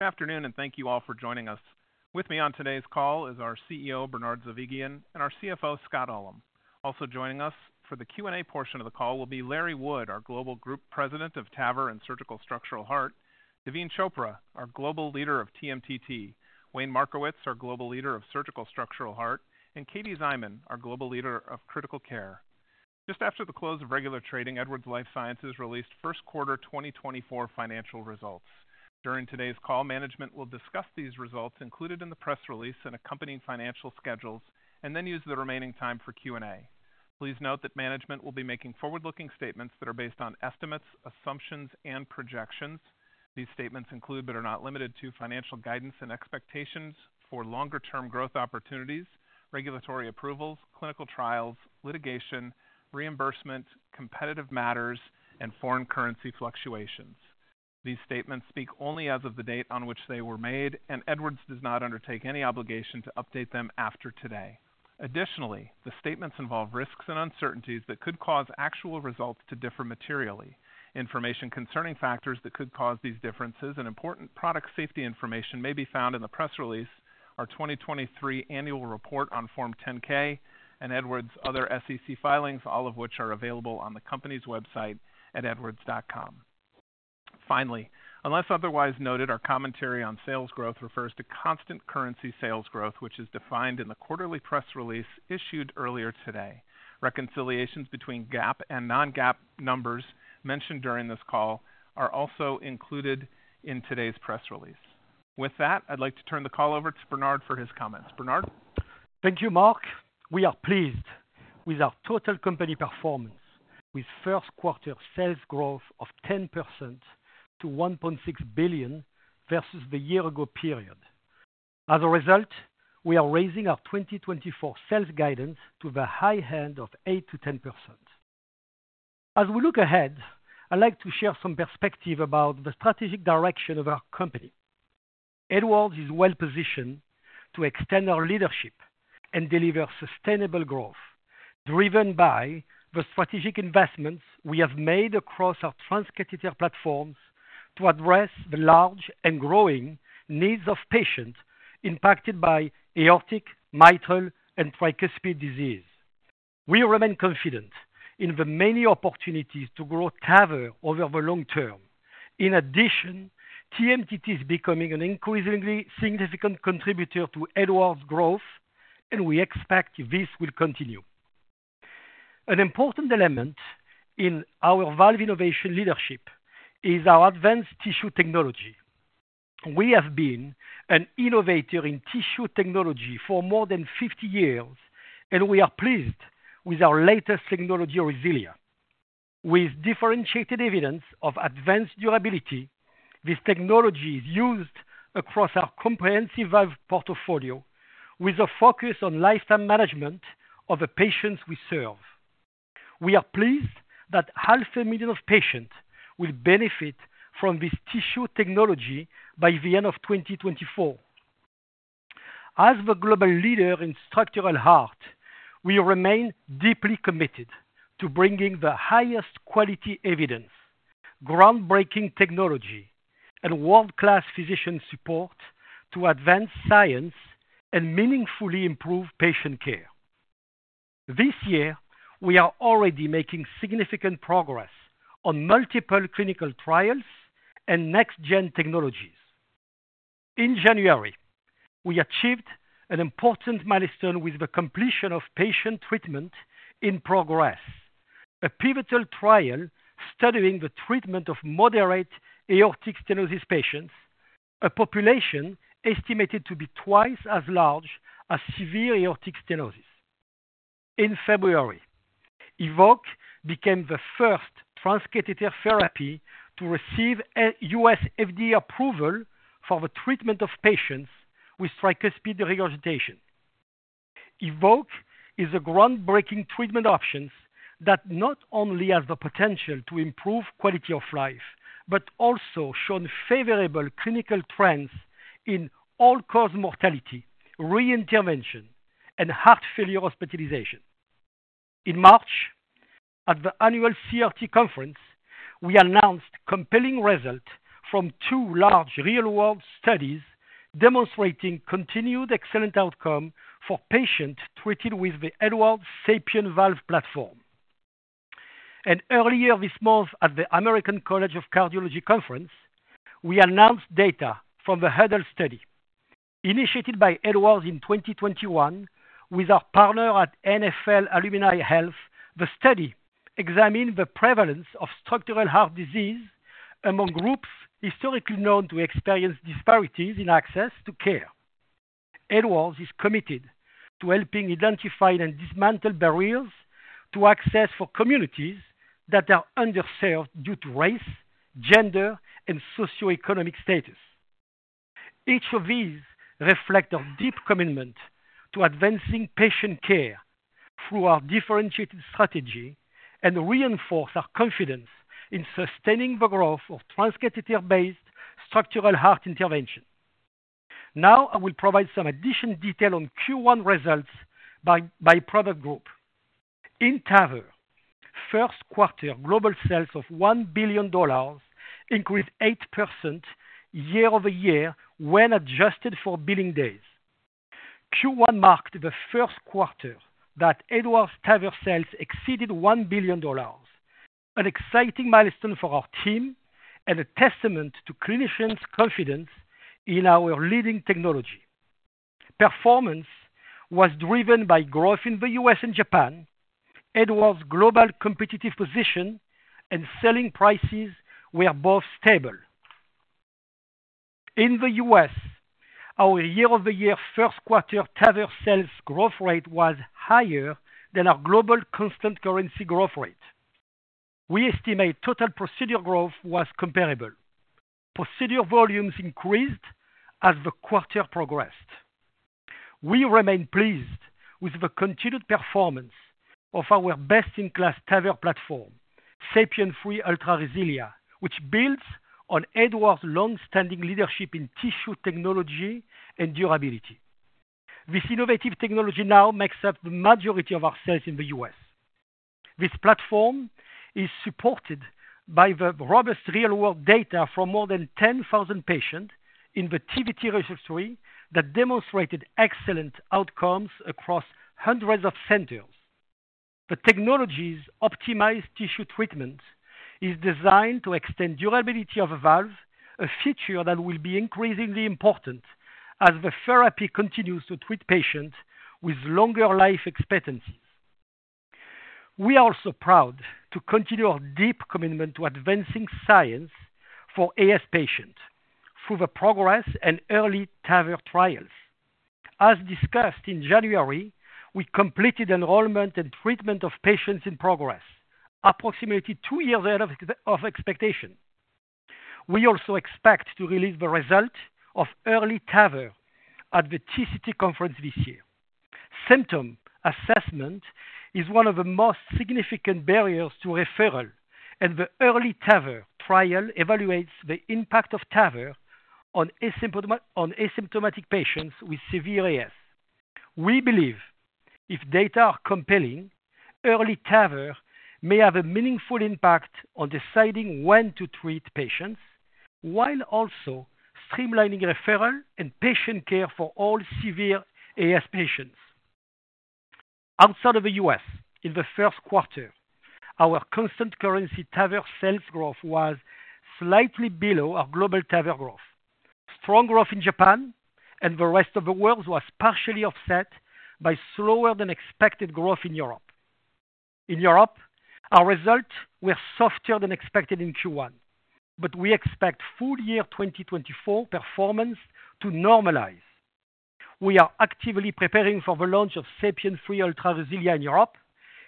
Good afternoon, and thank you all for joining us. With me on today's call is our CEO, Bernard Zovighian, and our CFO, Scott Ullem. Also joining us for the Q&A portion of the call will be Larry Wood, our global group president of TAVR and Surgical Structural Heart; Daveen Chopra, our global leader of TMTT; Wayne Markowitz, our global leader of Surgical Structural Heart; and Katie Szyman, our global leader of Critical Care. Just after the close of regular trading, Edwards Lifesciences released first quarter 2024 financial results. During today's call, management will discuss these results included in the press release and accompanying financial schedules, and then use the remaining time for Q&A. Please note that management will be making forward-looking statements that are based on estimates, assumptions, and projections. These statements include but are not limited to financial guidance and expectations for longer-term growth opportunities, regulatory approvals, clinical trials, litigation, reimbursement, competitive matters, and foreign currency fluctuations. These statements speak only as of the date on which they were made, and Edwards does not undertake any obligation to update them after today. Additionally, the statements involve risks and uncertainties that could cause actual results to differ materially. Information concerning factors that could cause these differences and important product safety information may be found in the press release, our 2023 annual report on Form 10-K, and Edwards' other SEC filings, all of which are available on the company's website at Edwards.com. Finally, unless otherwise noted, our commentary on sales growth refers to constant currency sales growth, which is defined in the quarterly press release issued earlier today. Reconciliations between GAAP and non-GAAP numbers mentioned during this call are also included in today's press release. With that, I'd like to turn the call over to Bernard for his comments. Bernard? Thank you, Mark. We are pleased with our total company performance, with first quarter sales growth of 10% to $1.6 billion versus the year-ago period. As a result, we are raising our 2024 sales guidance to the high end of 8%-10%. As we look ahead, I'd like to share some perspective about the strategic direction of our company. Edwards is well positioned to extend our leadership and deliver sustainable growth driven by the strategic investments we have made across our transcatheter platforms to address the large and growing needs of patients impacted by aortic, mitral, and tricuspid disease. We remain confident in the many opportunities to grow TAVR over the long term. In addition, TMTT is becoming an increasingly significant contributor to Edwards' growth, and we expect this will continue. An important element in our valve innovation leadership is our advanced tissue technology. We have been an innovator in tissue technology for more than 50 years, and we are pleased with our latest technology, RESILIA. With differentiated evidence of advanced durability, this technology is used across our comprehensive valve portfolio with a focus on lifetime management of the patients we serve. We are pleased that 500,000 patients will benefit from this tissue technology by the end of 2024. As the global leader in structural heart, we remain deeply committed to bringing the highest quality evidence, groundbreaking technology, and world-class physician support to advance science and meaningfully improve patient care. This year, we are already making significant progress on multiple clinical trials and next-gen technologies. In January, we achieved an important milestone with the completion of patient treatment in PROGRESS, a pivotal trial studying the treatment of moderate aortic stenosis patients, a population estimated to be twice as large as severe aortic stenosis. In February, EVOQUE became the first transcatheter therapy to receive U.S. FDA approval for the treatment of patients with tricuspid regurgitation. EVOQUE is a groundbreaking treatment option that not only has the potential to improve quality of life but also shows favorable clinical trends in all-cause mortality, reintervention, and heart failure hospitalization. In March, at the annual CRT conference, we announced compelling results from two large real-world studies demonstrating continued excellent outcomes for patients treated with the Edwards SAPIEN Valve platform. Earlier this month at the American College of Cardiology conference, we announced data from the HUDL study initiated by Edwards in 2021 with our partner at NFL Alumni Health. The study examined the prevalence of structural heart disease among groups historically known to experience disparities in access to care. Edwards is committed to helping identify and dismantle barriers to access for communities that are underserved due to race, gender, and socioeconomic status. Each of these reflects our deep commitment to advancing patient care through our differentiated strategy and reinforce our confidence in sustaining the growth of transcatheter-based structural heart intervention. Now, I will provide some additional detail on Q1 results by product group. In TAVR, first quarter global sales of $1 billion increased 8% year-over-year when adjusted for billing days. Q1 marked the first quarter that Edwards TAVR sales exceeded $1 billion, an exciting milestone for our team and a testament to clinicians' confidence in our leading technology. Performance was driven by growth in the U.S. and Japan. Edwards' global competitive position and selling prices were both stable. In the U.S., our year-over-year first quarter TAVR sales growth rate was higher than our global constant currency growth rate. We estimate total procedure growth was comparable. Procedure volumes increased as the quarter progressed. We remain pleased with the continued performance of our best-in-class TAVR platform, SAPIEN 3 Ultra RESILIA, which builds on Edwards' longstanding leadership in tissue technology and durability. This innovative technology now makes up the majority of our sales in the U.S. This platform is supported by the robust real-world data from more than 10,000 patients in the TVT Registry that demonstrated excellent outcomes across hundreds of centers. The technology's optimized tissue treatment is designed to extend durability of a valve, a feature that will be increasingly important as the therapy continues to treat patients with longer life expectancies. We are also proud to continue our deep commitment to advancing science for AS patients through the PROGRESS and EARLY TAVR trials. As discussed in January, we completed enrollment and treatment of patients in PROGRESS, approximately two years ahead of expectation. We also expect to release the results of EARLY TAVR at the TCT conference this year. Symptom assessment is one of the most significant barriers to referral, and the EARLY TAVR trial evaluates the impact of TAVR on asymptomatic patients with severe AS. We believe, if data are compelling, EARLY TAVR may have a meaningful impact on deciding when to treat patients while also streamlining referral and patient care for all severe AS patients. Outside of the U.S., in the first quarter, our constant currency TAVR sales growth was slightly below our global TAVR growth. Strong growth in Japan and the rest of the world was partially offset by slower-than-expected growth in Europe. In Europe, our results were softer than expected in Q1, but we expect full-year 2024 performance to normalize. We are actively preparing for the launch of SAPIEN 3 Ultra RESILIA in Europe,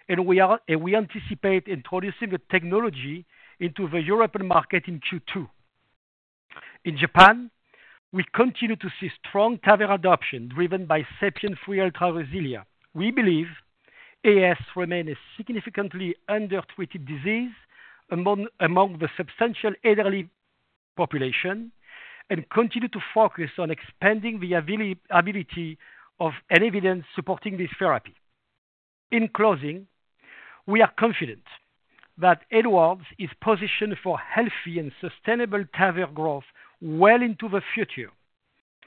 and we anticipate introducing the technology into the European market in Q2. In Japan, we continue to see strong TAVR adoption driven by SAPIEN 3 Ultra RESILIA. We believe AS remains a significantly under-treated disease among the substantial elderly population and continue to focus on expanding the availability of evidence supporting this therapy. In closing, we are confident that Edwards is positioned for healthy and sustainable TAVR growth well into the future,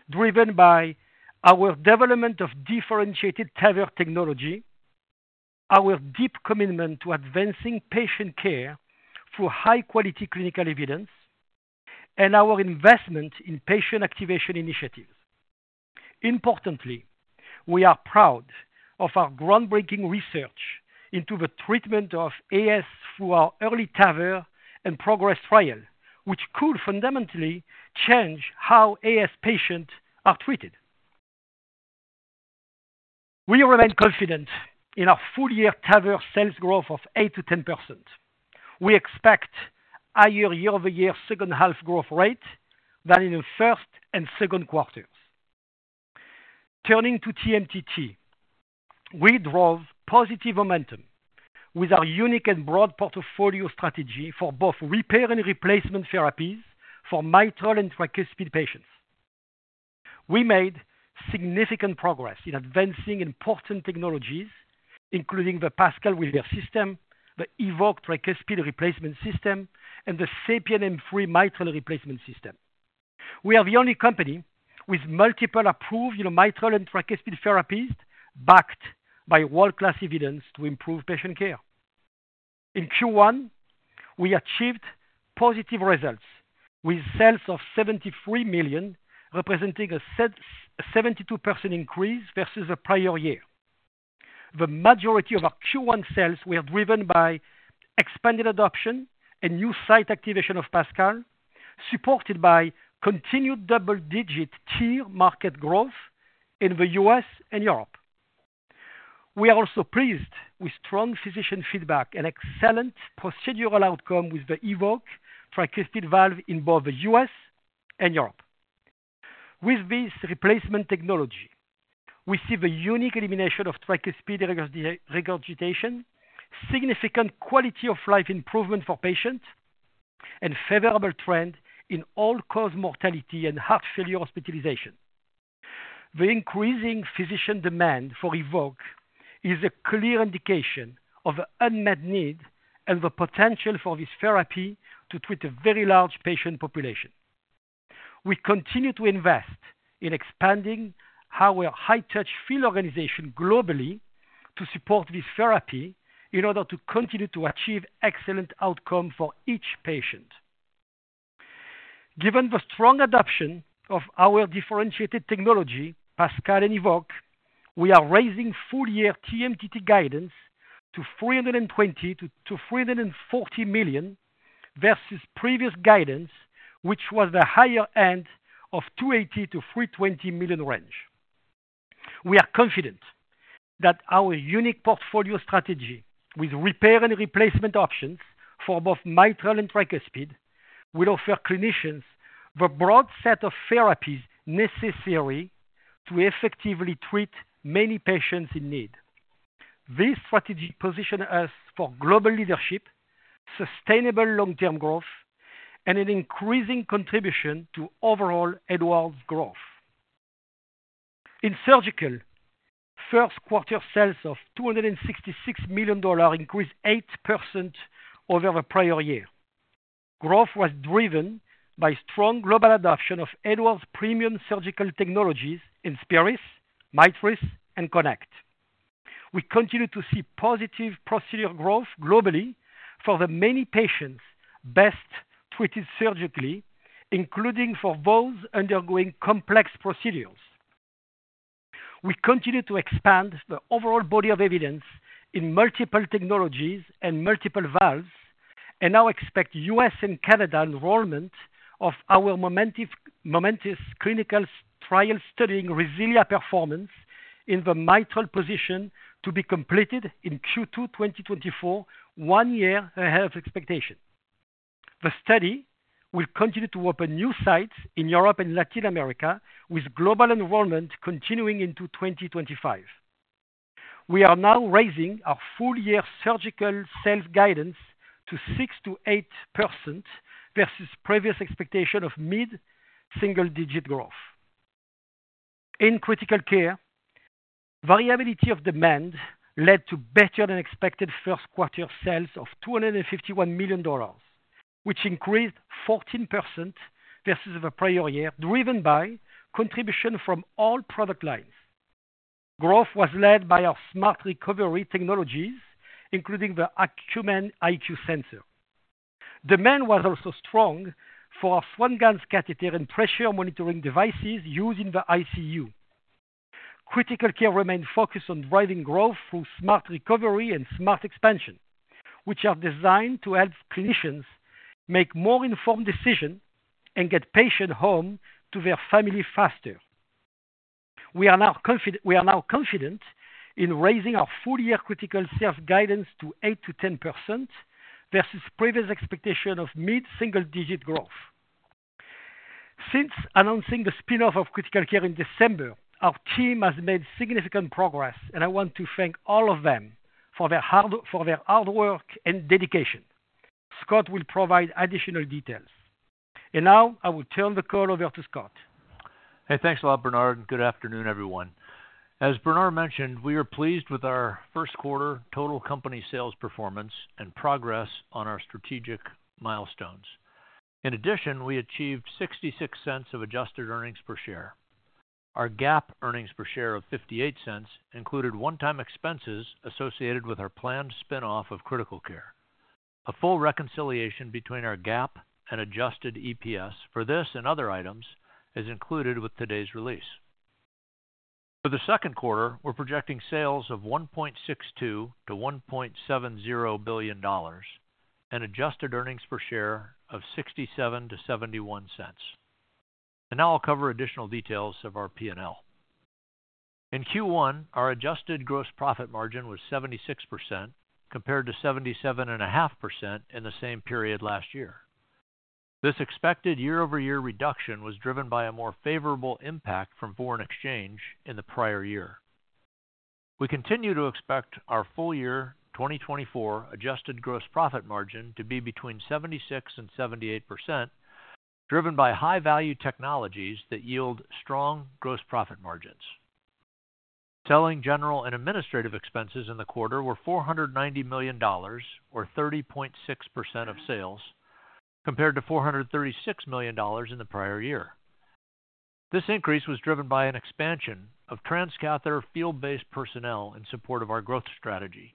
driven by our development of differentiated TAVR technology, our deep commitment to advancing patient care through high-quality clinical evidence, and our investment in patient activation initiatives. Importantly, we are proud of our groundbreaking research into the treatment of AS through our EARLY TAVR and PROGRESS trial, which could fundamentally change how AS patients are treated. We remain confident in our full-year TAVR sales growth of 8%-10%. We expect higher year-over-year second-half growth rate than in the first and second quarters. Turning to TMTT, we draw positive momentum with our unique and broad portfolio strategy for both repair and replacement therapies for mitral and tricuspid patients. We made significant progress in advancing important technologies, including the PASCAL system, the EVOQUE tricuspid replacement system, and the SAPIEN M3 mitral replacement system. We are the only company with multiple approved mitral and tricuspid therapies backed by world-class evidence to improve patient care. In Q1, we achieved positive results with sales of $73 million, representing a 72% increase versus the prior year. The majority of our Q1 sales were driven by expanded adoption and new site activation of PASCAL, supported by continued double-digit TEER market growth in the U.S. and Europe. We are also pleased with strong physician feedback and excellent procedural outcomes with the EVOQUE tricuspid valve in both the U.S. and Europe. With this replacement technology, we see the unique elimination of tricuspid regurgitation, significant quality-of-life improvement for patients, and a favorable trend in all-cause mortality and heart failure hospitalization. The increasing physician demand for EVOQUE is a clear indication of the unmet need and the potential for this therapy to treat a very large patient population. We continue to invest in expanding our high-touch field organization globally to support this therapy in order to continue to achieve excellent outcomes for each patient. Given the strong adoption of our differentiated technology, PASCAL and EVOQUE, we are raising full-year TMTT guidance to $320 million-$340 million versus previous guidance, which was the higher end of $280 million-$320 million range. We are confident that our unique portfolio strategy with repair and replacement options for both mitral and tricuspid will offer clinicians the broad set of therapies necessary to effectively treat many patients in need. This strategy positions us for global leadership, sustainable long-term growth, and an increasing contribution to overall Edwards' growth. In Surgical, first-quarter sales of $266 million increased 8% over the prior year. Growth was driven by strong global adoption of Edwards' premium Surgical technologies, INSPIRIS, MITRIS, and KONECT. We continue to see positive procedure growth globally for the many patients best treated surgically, including for those undergoing complex procedures. We continue to expand the overall body of evidence in multiple technologies and multiple valves and now expect U.S. and Canada enrollment of our MOMENTIS clinical trial studying RESILIA performance in the mitral position to be completed in Q2 2024, one year ahead of expectation. The study will continue to open new sites in Europe and Latin America, with global enrollment continuing into 2025. We are now raising our full-year Surgical sales guidance to 6%-8% versus previous expectations of mid-single-digit growth. In Critical Care, variability of demand led to better-than-expected first-quarter sales of $251 million, which increased 14% versus the prior year, driven by contribution from all product lines. Growth was led by our Smart Recovery technologies, including the Acumen IQ sensor. Demand was also strong for our Swan-Ganz catheter and pressure monitoring devices used in the ICU. Critical Care remained focused on driving growth through Smart Recovery and Smart Expansion, which are designed to help clinicians make more informed decisions and get patients home to their families faster. We are now confident in raising our full-year Critical sales guidance to 8%-10% versus previous expectations of mid-single-digit growth. Since announcing the spinoff of Critical Care in December, our team has made significant progress, and I want to thank all of them for their hard work and dedication. Scott will provide additional details. And now, I will turn the call over to Scott. Hey, thanks a lot, Bernard. And good afternoon, everyone. As Bernard mentioned, we are pleased with our first quarter total company sales performance and progress on our strategic milestones. In addition, we achieved $0.66 of adjusted earnings per share. Our GAAP earnings per share of $0.58 included one-time expenses associated with our planned spinoff of Critical Care. A full reconciliation between our GAAP and adjusted EPS for this and other items is included with today's release. For the second quarter, we're projecting sales of $1.62-$1.70 billion and adjusted earnings per share of $0.67-$0.71. And now, I'll cover additional details of our P&L. In Q1, our adjusted gross profit margin was 76% compared to 77.5% in the same period last year. This expected year-over-year reduction was driven by a more favorable impact from foreign exchange in the prior year. We continue to expect our full-year 2024 adjusted gross profit margin to be between 76%-78%, driven by high-value technologies that yield strong gross profit margins. Selling general and administrative expenses in the quarter were $490 million, or 30.6% of sales, compared to $436 million in the prior year. This increase was driven by an expansion of transcatheter field-based personnel in support of our growth strategy.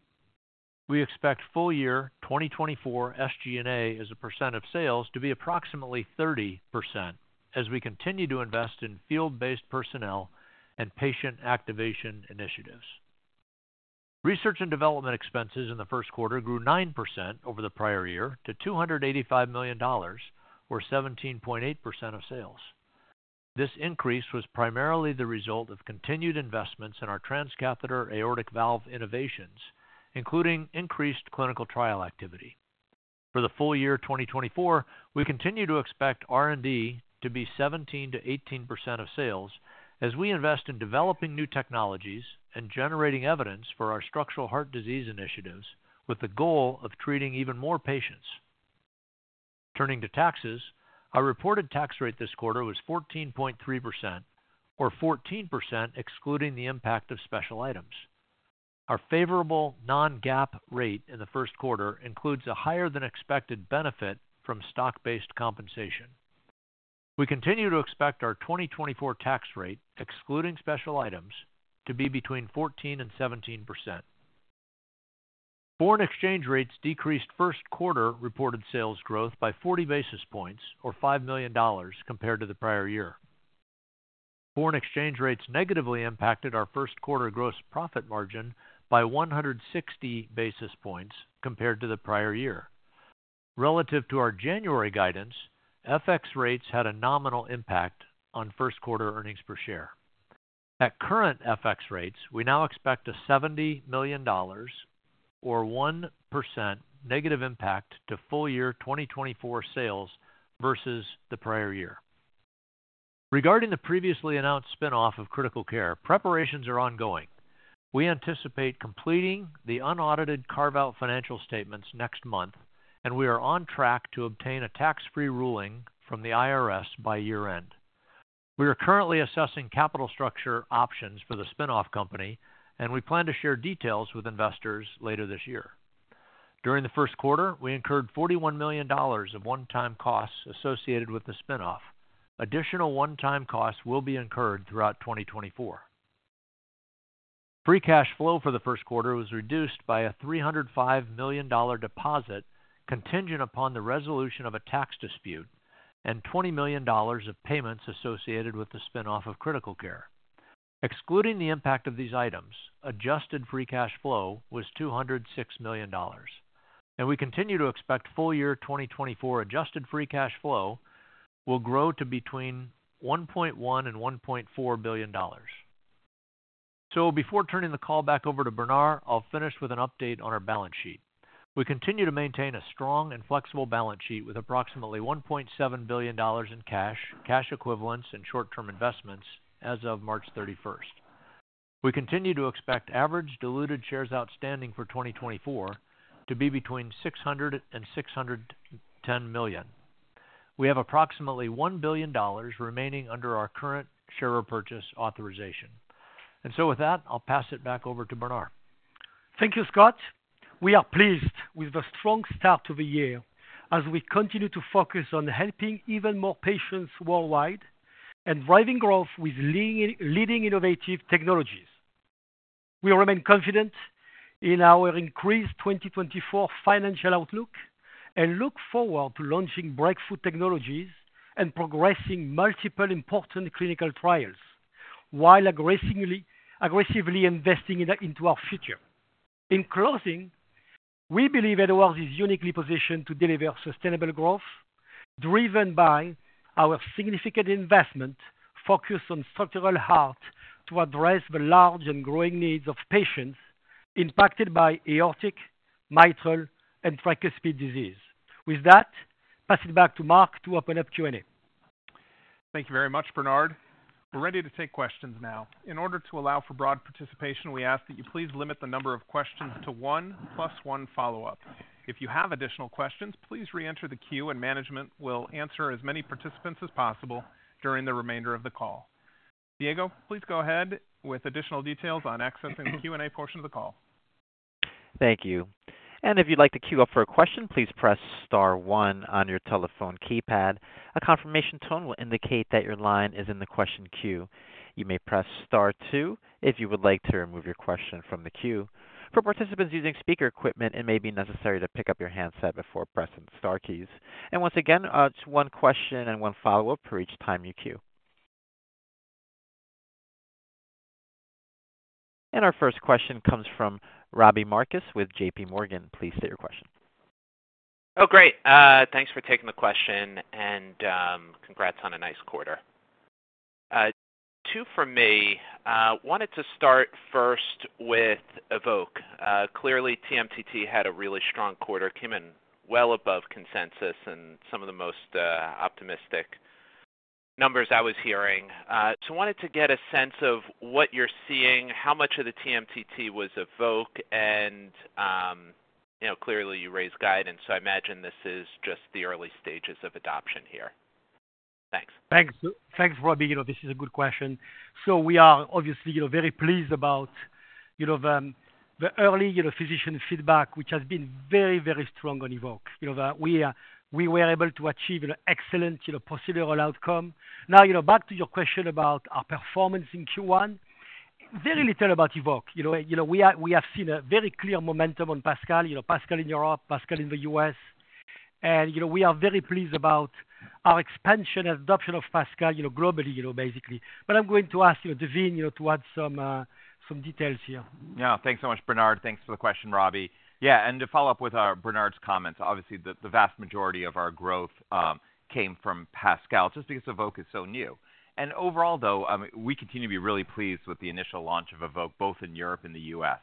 We expect full-year 2024 SG&A as a percent of sales to be approximately 30% as we continue to invest in field-based personnel and patient activation initiatives. Research and development expenses in the first quarter grew 9% over the prior year to $285 million, or 17.8% of sales. This increase was primarily the result of continued investments in our transcatheter aortic valve innovations, including increased clinical trial activity. For the full-year 2024, we continue to expect R&D to be 17%-18% of sales as we invest in developing new technologies and generating evidence for our structural heart disease initiatives with the goal of treating even more patients. Turning to taxes, our reported tax rate this quarter was 14.3%, or 14% excluding the impact of special items. Our favorable non-GAAP rate in the first quarter includes a higher-than-expected benefit from stock-based compensation. We continue to expect our 2024 tax rate, excluding special items, to be between 14% and 17%. Foreign exchange rates decreased first quarter reported sales growth by 40 basis points, or $5 million, compared to the prior year. Foreign exchange rates negatively impacted our first quarter gross profit margin by 160 basis points compared to the prior year. Relative to our January guidance, FX rates had a nominal impact on first quarter earnings per share. At current FX rates, we now expect a $70 million, or 1%, negative impact to full-year 2024 sales versus the prior year. Regarding the previously announced spinoff of Critical Care, preparations are ongoing. We anticipate completing the unaudited carve-out financial statements next month, and we are on track to obtain a tax-free ruling from the IRS by year-end. We are currently assessing capital structure options for the spinoff company, and we plan to share details with investors later this year. During the first quarter, we incurred $41 million of one-time costs associated with the spinoff. Additional one-time costs will be incurred throughout 2024. Free cash flow for the first quarter was reduced by a $305 million deposit contingent upon the resolution of a tax dispute and $20 million of payments associated with the spinoff of Critical Care. Excluding the impact of these items, adjusted free cash flow was $206 million. We continue to expect full-year 2024 adjusted free cash flow will grow to between $1.1 and $1.4 billion. Before turning the call back over to Bernard, I'll finish with an update on our balance sheet. We continue to maintain a strong and flexible balance sheet with approximately $1.7 billion in cash, cash equivalents, and short-term investments as of March 31st. We continue to expect average diluted shares outstanding for 2024 to be between 600 and 610 million. We have approximately $1 billion remaining under our current share repurchase authorization. And so, with that, I'll pass it back over to Bernard. Thank you, Scott. We are pleased with the strong start to the year as we continue to focus on helping even more patients worldwide and driving growth with leading innovative technologies. We remain confident in our increased 2024 financial outlook and look forward to launching breakthrough technologies and progressing multiple important clinical trials while aggressively investing into our future. In closing, we believe Edwards is uniquely positioned to deliver sustainable growth driven by our significant investment focused on structural heart to address the large and growing needs of patients impacted by aortic, mitral, and tricuspid disease. With that, pass it back to Mark to open up Q&A. Thank you very much, Bernard. We're ready to take questions now. In order to allow for broad participation, we ask that you please limit the number of questions to one plus one follow-up. If you have additional questions, please reenter the queue, and management will answer as many participants as possible during the remainder of the call. Diego, please go ahead with additional details on accessing the Q&A portion of the call. Thank you. And if you'd like to queue up for a question, please press star one on your telephone keypad. A confirmation tone will indicate that your line is in the question queue. You may press star two if you would like to remove your question from the queue. For participants using speaker equipment, it may be necessary to pick up your handset before pressing star keys. Once again, it's one question and one follow-up for each time you queue. Our first question comes from Robbie Marcus with J.P. Morgan. Please state your question. Oh, great. Thanks for taking the question, and congrats on a nice quarter. Two for me. Wanted to start first with EVOQUE. Clearly, TMTT had a really strong quarter, came in well above consensus and some of the most optimistic numbers I was hearing. Wanted to get a sense of what you're seeing, how much of the TMTT was EVOQUE, and clearly, you raised guidance. So I imagine this is just the early stages of adoption here. Thanks. Thanks, Robbie. This is a good question. So we are obviously very pleased about the early physician feedback, which has been very, very strong on EVOQUE. We were able to achieve an excellent procedural outcome. Now, back to your question about our performance in Q1, very little about EVOQUE. We have seen a very clear momentum on PASCAL, PASCAL in Europe, PASCAL in the U.S. And we are very pleased about our expansion and adoption of PASCAL globally, basically. But I'm going to ask Daveen to add some details here. Yeah, thanks so much, Bernard. Thanks for the question, Robbie. Yeah, and to follow up with Bernard's comments, obviously, the vast majority of our growth came from PASCAL just because EVOQUE is so new. Overall, though, we continue to be really pleased with the initial launch of EVOQUE both in Europe and the U.S.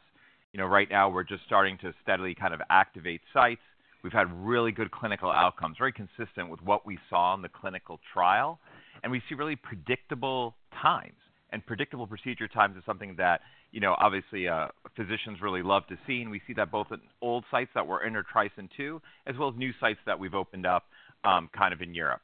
Right now, we're just starting to steadily kind of activate sites. We've had really good clinical outcomes, very consistent with what we saw in the clinical trial. And we see really predictable times. And predictable procedure times is something that, obviously, physicians really love to see. And we see that both in old sites that were in our TRISCEND II, as well as new sites that we've opened up kind of in Europe.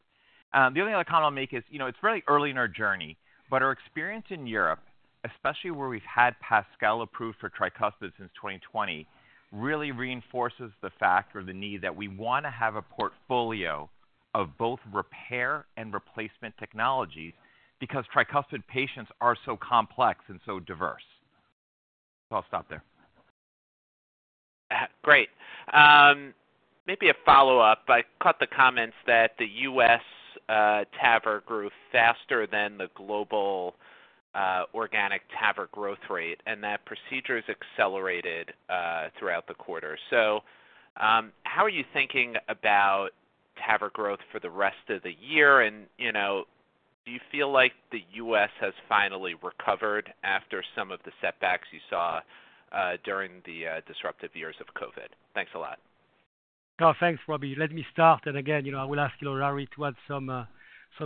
The only other comment I'll make is it's very early in our journey, but our experience in Europe, especially where we've had PASCAL approved for tricuspid since 2020, really reinforces the fact or the need that we want to have a portfolio of both repair and replacement technologies because tricuspid patients are so complex and so diverse. So I'll stop there. Great. Maybe a follow-up. I caught the comments that the U.S. TAVR grew faster than the global organic TAVR growth rate and that procedures accelerated throughout the quarter. So how are you thinking about TAVR growth for the rest of the year? And do you feel like the U.S. has finally recovered after some of the setbacks you saw during the disruptive years of COVID? Thanks a lot. Oh, thanks, Robbie. Let me start. And again, I will ask Larry to add some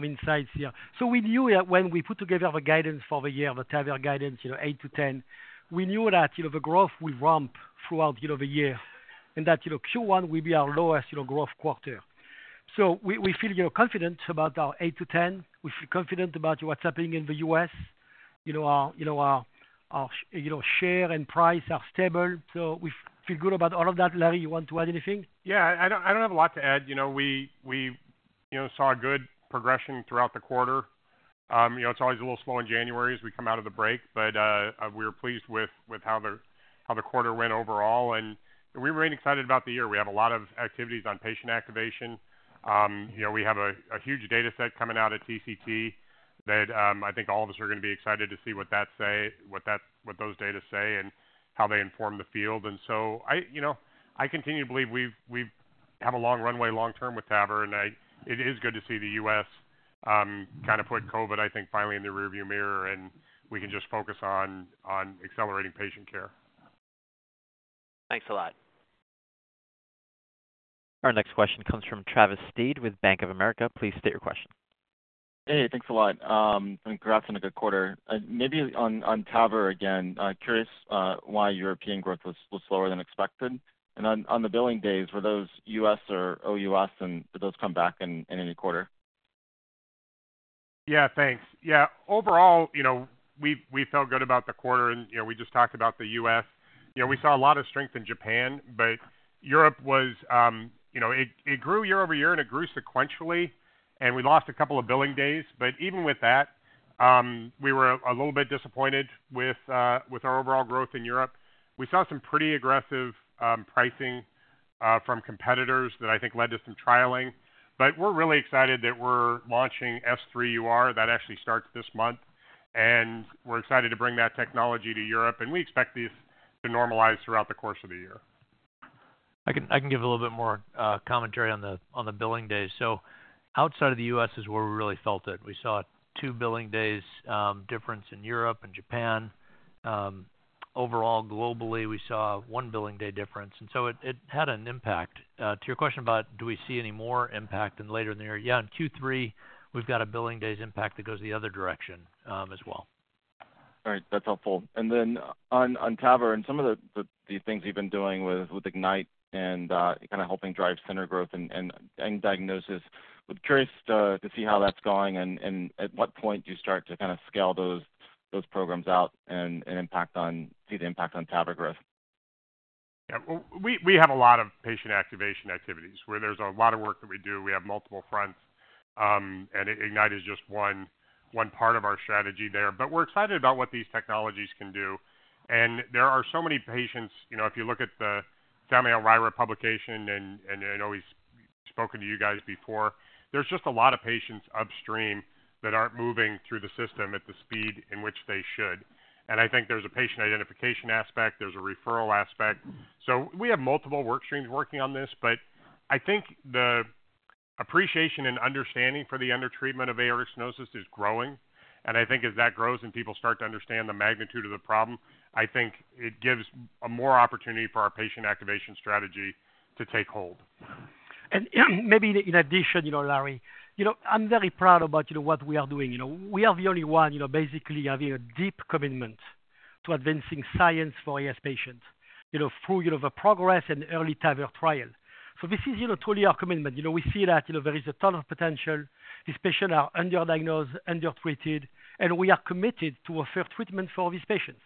insights here. So we knew when we put together the guidance for the year, the TAVR guidance, 8%-10%, we knew that the growth will ramp throughout the year and that Q1 will be our lowest growth quarter. So we feel confident about our 8%-10%. We feel confident about what's happening in the U.S. Our share and price are stable. So we feel good about all of that. Larry, you want to add anything? Yeah, I don't have a lot to add. We saw a good progression throughout the quarter. It's always a little slow in January as we come out of the break, but we were pleased with how the quarter went overall. And we remain excited about the year. We have a lot of activities on patient activation. We have a huge dataset coming out at TCT that I think all of us are going to be excited to see what those data say and how they inform the field. So I continue to believe we have a long runway long-term with TAVR, and it is good to see the U.S. kind of put COVID, I think, finally in the rearview mirror, and we can just focus on accelerating patient care. Thanks a lot. Our next question comes from Travis Steed with Bank of America. Please state your question. Hey, thanks a lot. Congrats on a good quarter. Maybe on TAVR again, curious why European growth was slower than expected. And on the billing days, were those U.S. or OUS, and did those come back in any quarter? Yeah, thanks. Yeah, overall, we felt good about the quarter, and we just talked about the U.S. We saw a lot of strength in Japan, but in Europe it grew year-over-year, and it grew sequentially. And we lost a couple of billing days. But even with that, we were a little bit disappointed with our overall growth in Europe. We saw some pretty aggressive pricing from competitors that I think led to some trialing. But we're really excited that we're launching S3UR. That actually starts this month, and we're excited to bring that technology to Europe. And we expect these to normalize throughout the course of the year. I can give a little bit more commentary on the billing days. So outside of the U.S. is where we really felt it. We saw a two billing days difference in Europe and Japan. Overall, globally, we saw one billing day difference. And so it had an impact. To your question about do we see any more impact later in the year, yeah, in Q3, we've got a billing days impact that goes the other direction as well. All right, that's helpful. And then on TAVR and some of the things you've been doing with Ignite and kind of helping drive center growth and diagnosis, I'm curious to see how that's going and at what point do you start to kind of scale those programs out and see the impact on TAVR growth? Yeah, we have a lot of patient activation activities where there's a lot of work that we do. We have multiple fronts, and Ignite is just one part of our strategy there. But we're excited about what these technologies can do. There are so many patients if you look at the Sammy Elmariah publication and I know he's spoken to you guys before, there's just a lot of patients upstream that aren't moving through the system at the speed in which they should. I think there's a patient identification aspect. There's a referral aspect. So we have multiple workstreams working on this, but I think the appreciation and understanding for the undertreatment of aortic stenosis is growing. I think as that grows and people start to understand the magnitude of the problem, it gives more opportunity for our patient activation strategy to take hold. Maybe in addition, Larry, I'm very proud about what we are doing. We are the only one basically having a deep commitment to advancing science for AS patients through the PROGRESS and EARLY TAVR trials. So this is truly our commitment. We see that there is a ton of potential. These patients are underdiagnosed, undertreated, and we are committed to offer treatment for these patients.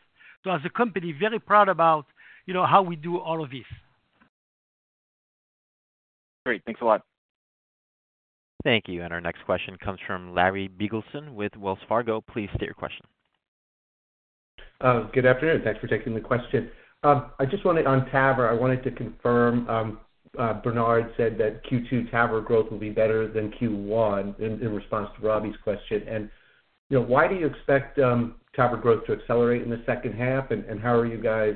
So as a company, very proud about how we do all of this. Great. Thanks a lot. Thank you. And our next question comes from Larry Biegelsen with Wells Fargo. Please state your question. Good afternoon. Thanks for taking the question. On TAVR, I wanted to confirm Bernard said that Q2 TAVR growth will be better than Q1 in response to Robbie's question. And why do you expect TAVR growth to accelerate in the second half, and how are you guys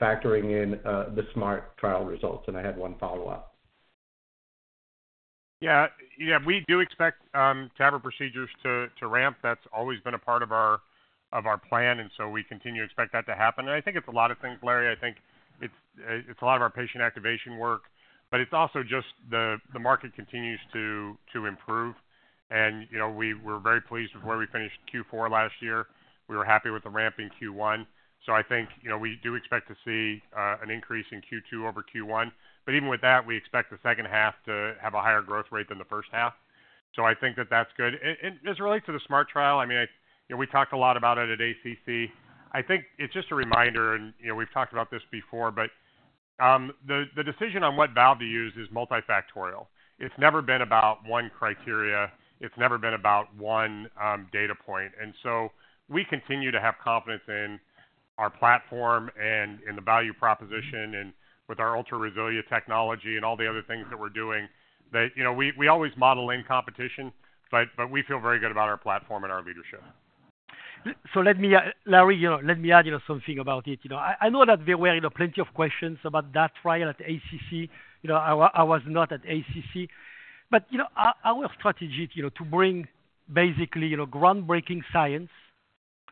factoring in the SMART trial results? And I had one follow-up. Yeah, we do expect TAVR procedures to ramp. That's always been a part of our plan, and so we continue to expect that to happen. And I think it's a lot of things, Larry. I think it's a lot of our patient activation work, but it's also just the market continues to improve. We're very pleased with where we finished Q4 last year. We were happy with the ramp in Q1. I think we do expect to see an increase in Q2 over Q1. Even with that, we expect the second half to have a higher growth rate than the first half. I think that that's good. As it relates to the SMART trial, I mean, we've talked a lot about it at ACC. I think it's just a reminder, and we've talked about this before, but the decision on what value to use is multifactorial. It's never been about one criteria. It's never been about one data point. We continue to have confidence in our platform and in the value proposition and with our ultra-resilient technology and all the other things that we're doing. We always model in competition, but we feel very good about our platform and our leadership. Larry, let me add something about it. I know that there were plenty of questions about that trial at ACC. I was not at ACC. Our strategy to bring basically groundbreaking science,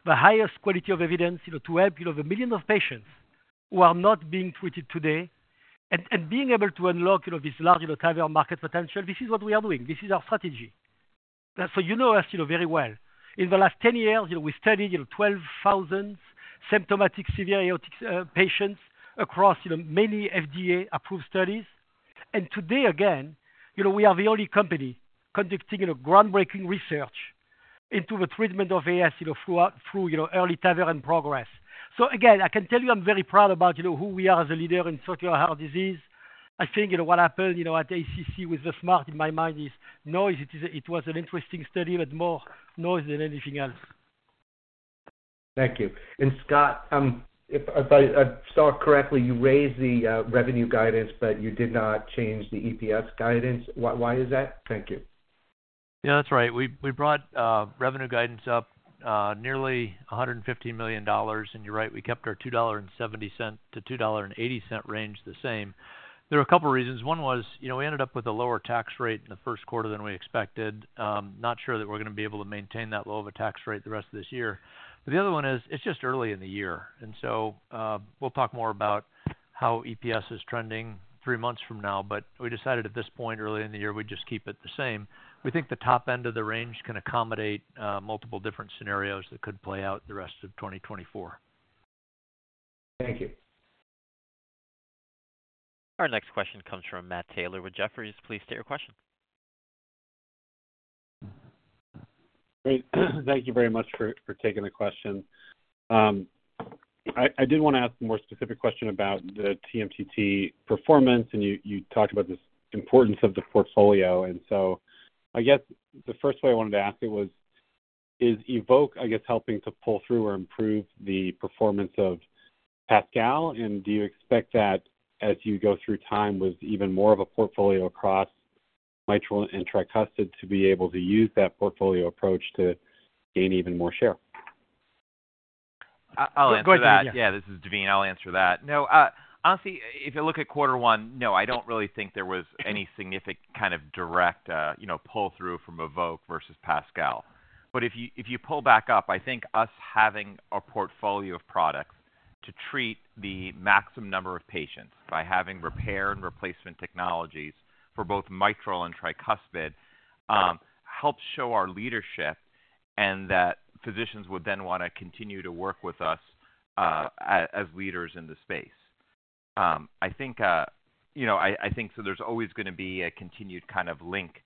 the highest quality of evidence to help one million patients who are not being treated today, and being able to unlock this large TAVR market potential, this is what we are doing. This is our strategy. You know us very well. In the last 10 years, we studied 12,000 symptomatic severe aortic patients across many FDA-approved studies. Today, again, we are the only company conducting groundbreaking research into the treatment of AS through EARLY TAVR and PROGRESS. So again, I can tell you I'm very proud about who we are as a leader in structural heart disease. I think what happened at ACC with the SMART, in my mind, is noise. It was an interesting study but more noise than anything else. Thank you. Scott, if I saw correctly, you raised the revenue guidance, but you did not change the EPS guidance. Why is that? Thank you. Yeah, that's right. We brought revenue guidance up nearly $115 million, and you're right, we kept our $2.70-$2.80 range the same. There are a couple of reasons. One was we ended up with a lower tax rate in the first quarter than we expected. Not sure that we're going to be able to maintain that low of a tax rate the rest of this year. But the other one is it's just early in the year. And so we'll talk more about how EPS is trending three months from now, but we decided at this point, early in the year, we'd just keep it the same. We think the top end of the range can accommodate multiple different scenarios that could play out the rest of 2024. Thank you. Our next question comes from Matt Taylor with Jefferies. Please state your question. Great. Thank you very much for taking the question. I did want to ask a more specific question about the TMTT performance, and you talked about the importance of the portfolio. And so I guess the first way I wanted to ask it was, is EVOQUE, I guess, helping to pull through or improve the performance of PASCAL? And do you expect that as you go through time with even more of a portfolio across mitral and tricuspid to be able to use that portfolio approach to gain even more share? I'll answer that. Go ahead, Matthew. Yeah, this is Daveen. I'll answer that. No, honestly, if you look at quarter one, no, I don't really think there was any significant kind of direct pull-through from EVOQUE versus PASCAL. But if you pull back up, I think us having a portfolio of products to treat the maximum number of patients by having repair and replacement technologies for both mitral and tricuspid helps show our leadership and that physicians would then want to continue to work with us as leaders in the space. I think so there's always going to be a continued kind of link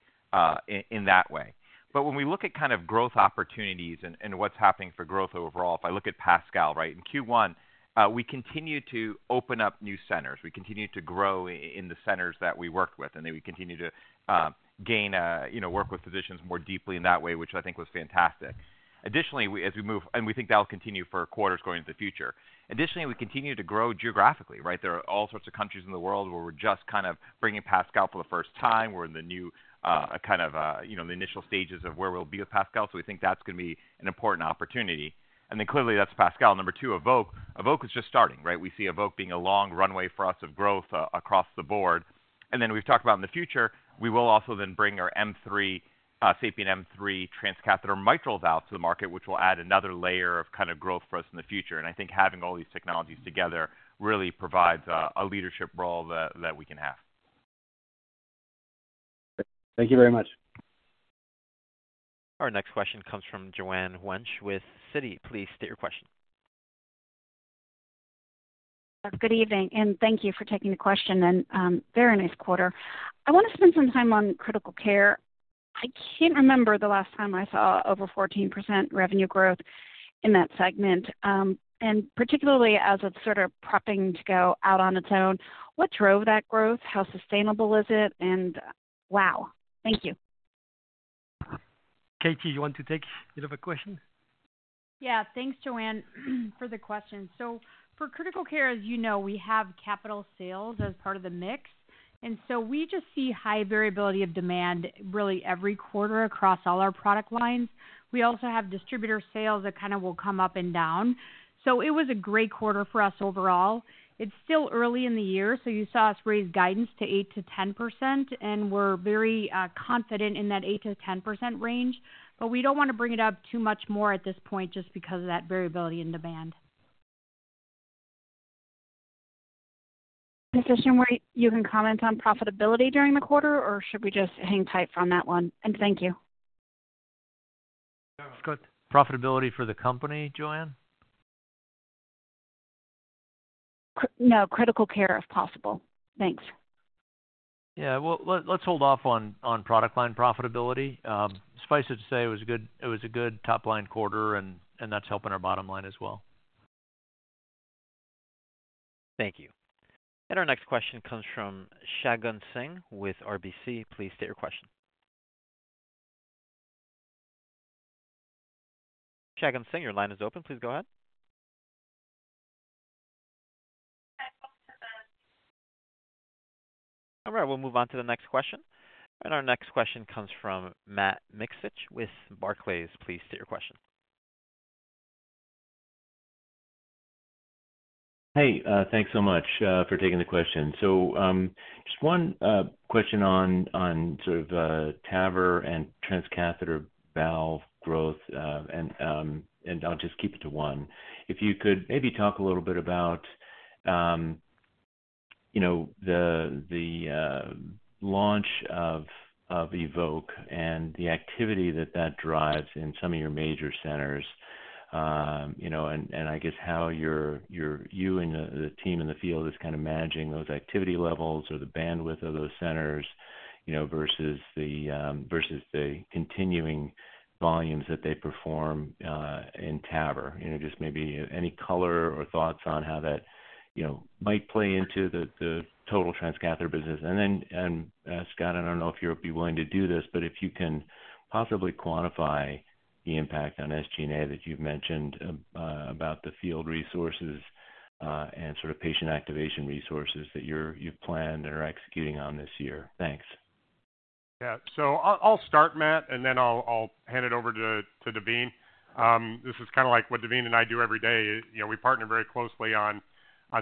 in that way. But when we look at kind of growth opportunities and what's happening for growth overall, if I look at PASCAL, right, in Q1, we continue to open up new centers. We continue to grow in the centers that we worked with, and then we continue to work with physicians more deeply in that way, which I think was fantastic. Additionally, as we move and we think that'll continue for quarters going into the future. Additionally, we continue to grow geographically, right? There are all sorts of countries in the world where we're just kind of bringing PASCAL for the first time. We're in the new kind of the initial stages of where we'll be with PASCAL. So we think that's going to be an important opportunity. And then clearly, that's PASCAL. Number two, EVOQUE. EVOQUE is just starting, right? We see EVOQUE being a long runway for us of growth across the board. And then we've talked about in the future, we will also then bring our SAPIEN M3 transcatheter mitral valve to the market, which will add another layer of kind of growth for us in the future. And I think having all these technologies together really provides a leadership role that we can have. Thank you very much. Our next question comes from Joanne Wuensch with Citi. Please state your question. Good evening, and thank you for taking the question and very nice quarter. I want to spend some time on critical care. I can't remember the last time I saw over 14% revenue growth in that segment. And particularly as it's sort of prepping to go out on its own, what drove that growth? How sustainable is it? And wow, thank you. Katie, you want to take a bit of a question? Yeah, thanks, Joanne, for the question. So for critical care, as you know, we have capital sales as part of the mix. And so we just see high variability of demand really every quarter across all our product lines. We also have distributor sales that kind of will come up and down. So it was a great quarter for us overall. It's still early in the year, so you saw us raise guidance to 8%-10%, and we're very confident in that 8%-10% range. But we don't want to bring it up too much more at this point just because of that variability in demand. Is this somewhere you can comment on profitability during the quarter, or should we just hang tight on that one? And thank you. It's good. Profitability for the company, Joanne? No, critical care if possible. Thanks. Yeah, well, let's hold off on product line profitability. Suffice it to say, it was a good top-line quarter, and that's helping our bottom line as well. Thank you. And our next question comes from Shagun Singh with RBC. Please state your question. Shagun Singh, your line is open. Please go ahead. All right, we'll move on to the next question. And our next question comes from Matt Miksic with Barclays. Please state your question. Hey, thanks so much for taking the question. So just one question on sort of TAVR and transcatheter valve growth, and I'll just keep it to one. If you could maybe talk a little bit about the launch of EVOQUE and the activity that that drives in some of your major centers, and I guess how you and the team in the field is kind of managing those activity levels or the bandwidth of those centers versus the continuing volumes that they perform in TAVR. Just maybe any color or thoughts on how that might play into the total transcatheter business. And then, Scott, I don't know if you'll be willing to do this, but if you can possibly quantify the impact on SG&A that you've mentioned about the field resources and sort of patient activation resources that you've planned and are executing on this year. Thanks. Yeah, so I'll start, Matt, and then I'll hand it over to Daveen. This is kind of like what Daveen and I do every day. We partner very closely on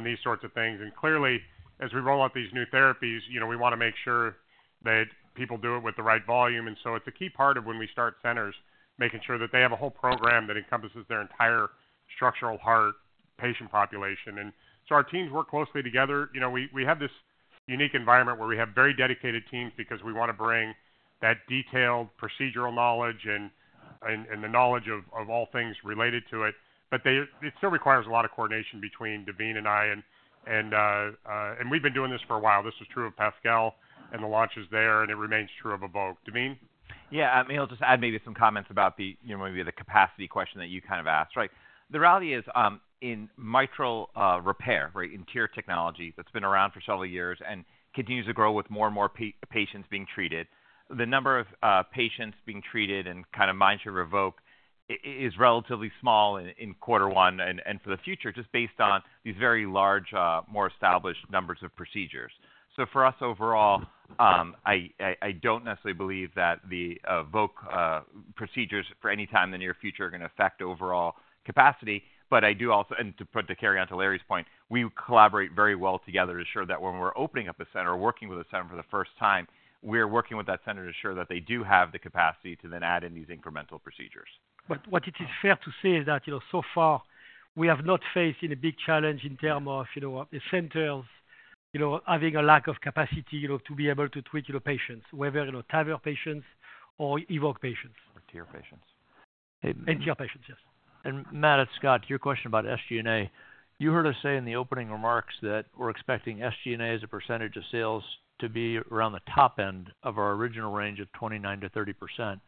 these sorts of things. And clearly, as we roll out these new therapies, we want to make sure that people do it with the right volume. And so it's a key part of when we start centers, making sure that they have a whole program that encompasses their entire structural heart patient population. And so our teams work closely together. We have this unique environment where we have very dedicated teams because we want to bring that detailed procedural knowledge and the knowledge of all things related to it. But it still requires a lot of coordination between Daveen and I. And we've been doing this for a while. This is true of PASCAL, and the launch is there, and it remains true of EVOQUE. Daveen? Yeah, I mean, I'll just add maybe some comments about maybe the capacity question that you kind of asked, right? The reality is in mitral repair, right, in TEER technology that's been around for several years and continues to grow with more and more patients being treated, the number of patients being treated and kind of mindshare EVOQUE is relatively small in quarter one and for the future just based on these very large, more established numbers of procedures. So for us overall, I don't necessarily believe that the EVOQUE procedures for any time in the near future are going to affect overall capacity. But I do also and to carry on to Larry's point, we collaborate very well together to ensure that when we're opening up a center or working with a center for the first time, we're working with that center to ensure that they do have the capacity to then add in these incremental procedures. But what it is fair to say is that so far, we have not faced a big challenge in terms of the centers having a lack of capacity to be able to treat patients, whether TAVR patients or EVOQUE patients. Or TEER patients. And TEER patients, yes. And Matt, its Scott, your question about SG&A. You heard us say in the opening remarks that we're expecting SG&A as a percentage of sales to be around the top end of our original range of 29%-30%.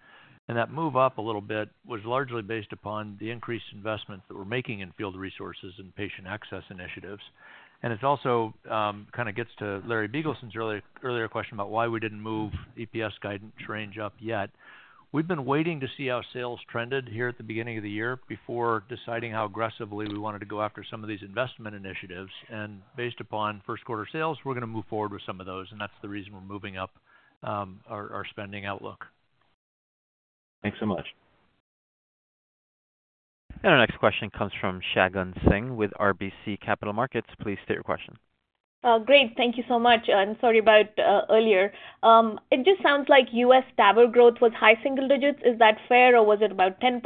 That move up a little bit was largely based upon the increased investments that we're making in field resources and patient access initiatives. It also kind of gets to Larry Biegelsen's earlier question about why we didn't move EPS guidance range up yet. We've been waiting to see how sales trended here at the beginning of the year before deciding how aggressively we wanted to go after some of these investment initiatives. Based upon first-quarter sales, we're going to move forward with some of those. That's the reason we're moving up our spending outlook. Thanks so much. Our next question comes from Shagun Singh with RBC Capital Markets. Please state your question. Great. Thank you so much. And sorry about earlier. It just sounds like U.S. TAVR growth was high single digits. Is that fair, or was it about 10%?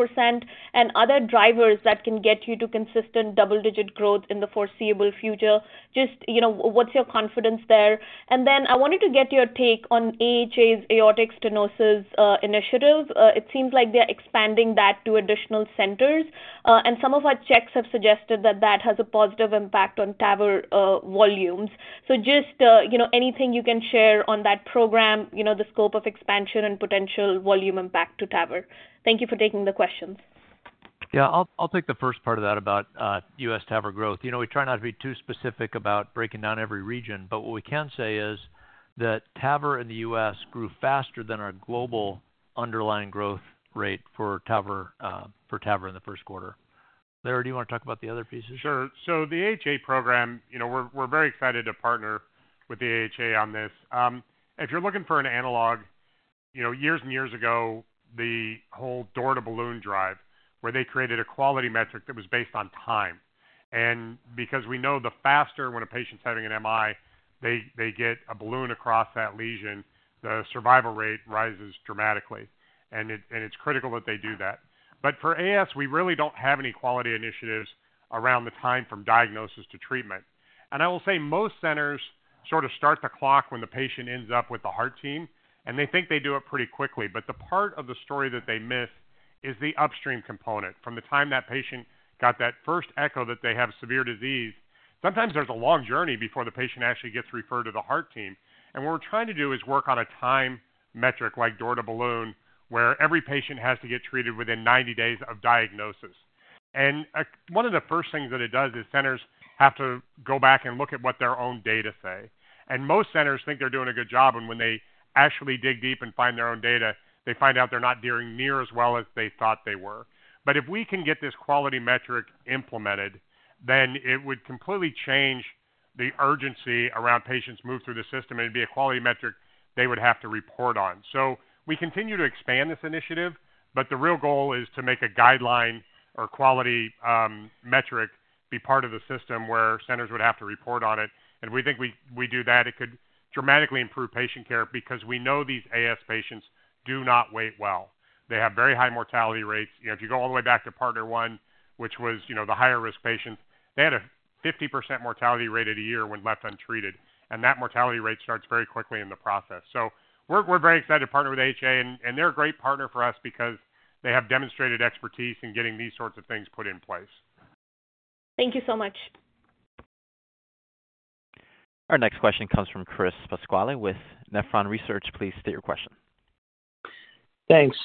And other drivers that can get you to consistent double-digit growth in the foreseeable future? Just what's your confidence there? And then I wanted to get your take on AHA's aortic stenosis initiative. It seems like they're expanding that to additional centers. And some of our checks have suggested that that has a positive impact on TAVR volumes. So just anything you can share on that program, the scope of expansion and potential volume impact to TAVR. Thank you for taking the questions. Yeah, I'll take the first part of that about U.S. TAVR growth. We try not to be too specific about breaking down every region, but what we can say is that TAVR in the U.S. grew faster than our global underlying growth rate for TAVR in the first quarter. Larry, do you want to talk about the other pieces? Sure. So the AHA program, we're very excited to partner with the AHA on this. If you're looking for an analog, years and years ago, the whole door-to-balloon drive where they created a quality metric that was based on time. And because we know the faster when a patient's having an MI, they get a balloon across that lesion, the survival rate rises dramatically. And it's critical that they do that. But for AS, we really don't have any quality initiatives around the time from diagnosis to treatment. I will say most centers sort of start the clock when the patient ends up with the heart team, and they think they do it pretty quickly. But the part of the story that they miss is the upstream component. From the time that patient got that first echo that they have severe disease, sometimes there's a long journey before the patient actually gets referred to the heart team. And what we're trying to do is work on a time metric like door-to-balloon where every patient has to get treated within 90 days of diagnosis. And one of the first things that it does is centers have to go back and look at what their own data say. And most centers think they're doing a good job. When they actually dig deep and find their own data, they find out they're not nearly as well as they thought they were. But if we can get this quality metric implemented, then it would completely change the urgency around patients move through the system. It'd be a quality metric they would have to report on. We continue to expand this initiative, but the real goal is to make a guideline or quality metric be part of the system where centers would have to report on it. We think we do that. It could dramatically improve patient care because we know these AS patients do not wait well. They have very high mortality rates. If you go all the way back to PARTNER 1, which was the higher-risk patients, they had a 50% mortality rate at a year when left untreated. And that mortality rate starts very quickly in the process. So we're very excited to partner with AHA, and they're a great partner for us because they have demonstrated expertise in getting these sorts of things put in place. Thank you so much. Our next question comes from Chris Pasquale with Nephron Research. Please state your question. Thanks.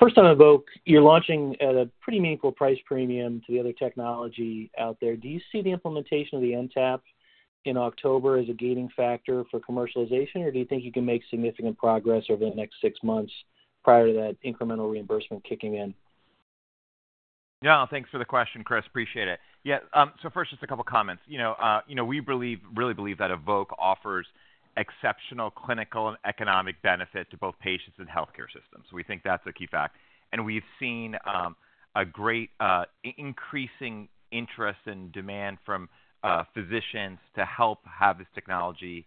First on EVOQUE, you're launching at a pretty meaningful price premium to the other technology out there. Do you see the implementation of the NTAP in October as a gating factor for commercialization, or do you think you can make significant progress over the next six months prior to that incremental reimbursement kicking in? Yeah, thanks for the question, Chris. Appreciate it. Yeah, so first, just a couple of comments. We really believe that EVOQUE offers exceptional clinical and economic benefit to both patients and healthcare systems. We think that's a key fact. And we've seen a great increasing interest and demand from physicians to help have this technology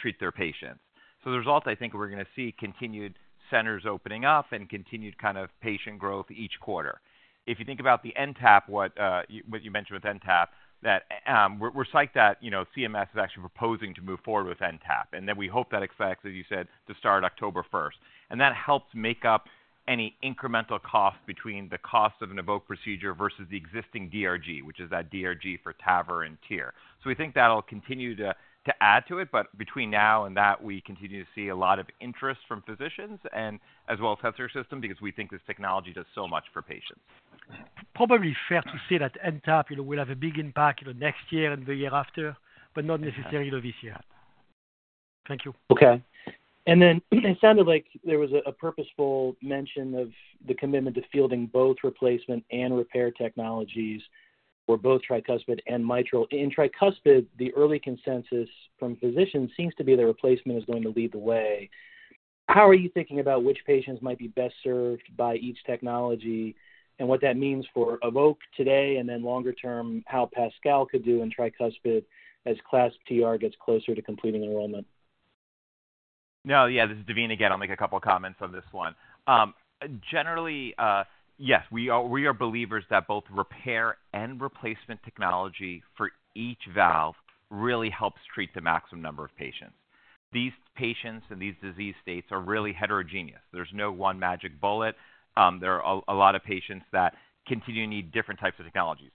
treat their patients. So the result, I think, we're going to see continued centers opening up and continued kind of patient growth each quarter. If you think about the NTAP, what you mentioned with NTAP, that we're psyched that CMS is actually proposing to move forward with NTAP. And then we hope that expects, as you said, to start October 1st. And that helps make up any incremental cost between the cost of an EVOQUE procedure versus the existing DRG, which is that DRG for TAVR and TEER. So we think that'll continue to add to it. But between now and that, we continue to see a lot of interest from physicians and as well as healthcare systems because we think this technology does so much for patients. Probably fair to say that NTAP will have a big impact next year and the year after, but not necessarily this year. Thank you. Okay. And then it sounded like there was a purposeful mention of the commitment to fielding both replacement and repair technologies for both tricuspid and mitral. In tricuspid, the early consensus from physicians seems to be that replacement is going to lead the way. How are you thinking about which patients might be best served by each technology and what that means for EVOQUE today and then longer term, how PASCAL could do in tricuspid as CLASP II TR gets closer to completing enrollment? No, yeah, this is Daveen again. I'll make a couple of comments on this one. Generally, yes, we are believers that both repair and replacement technology for each valve really helps treat the maximum number of patients. These patients and these disease states are really heterogeneous. There's no one magic bullet. There are a lot of patients that continue to need different types of technologies.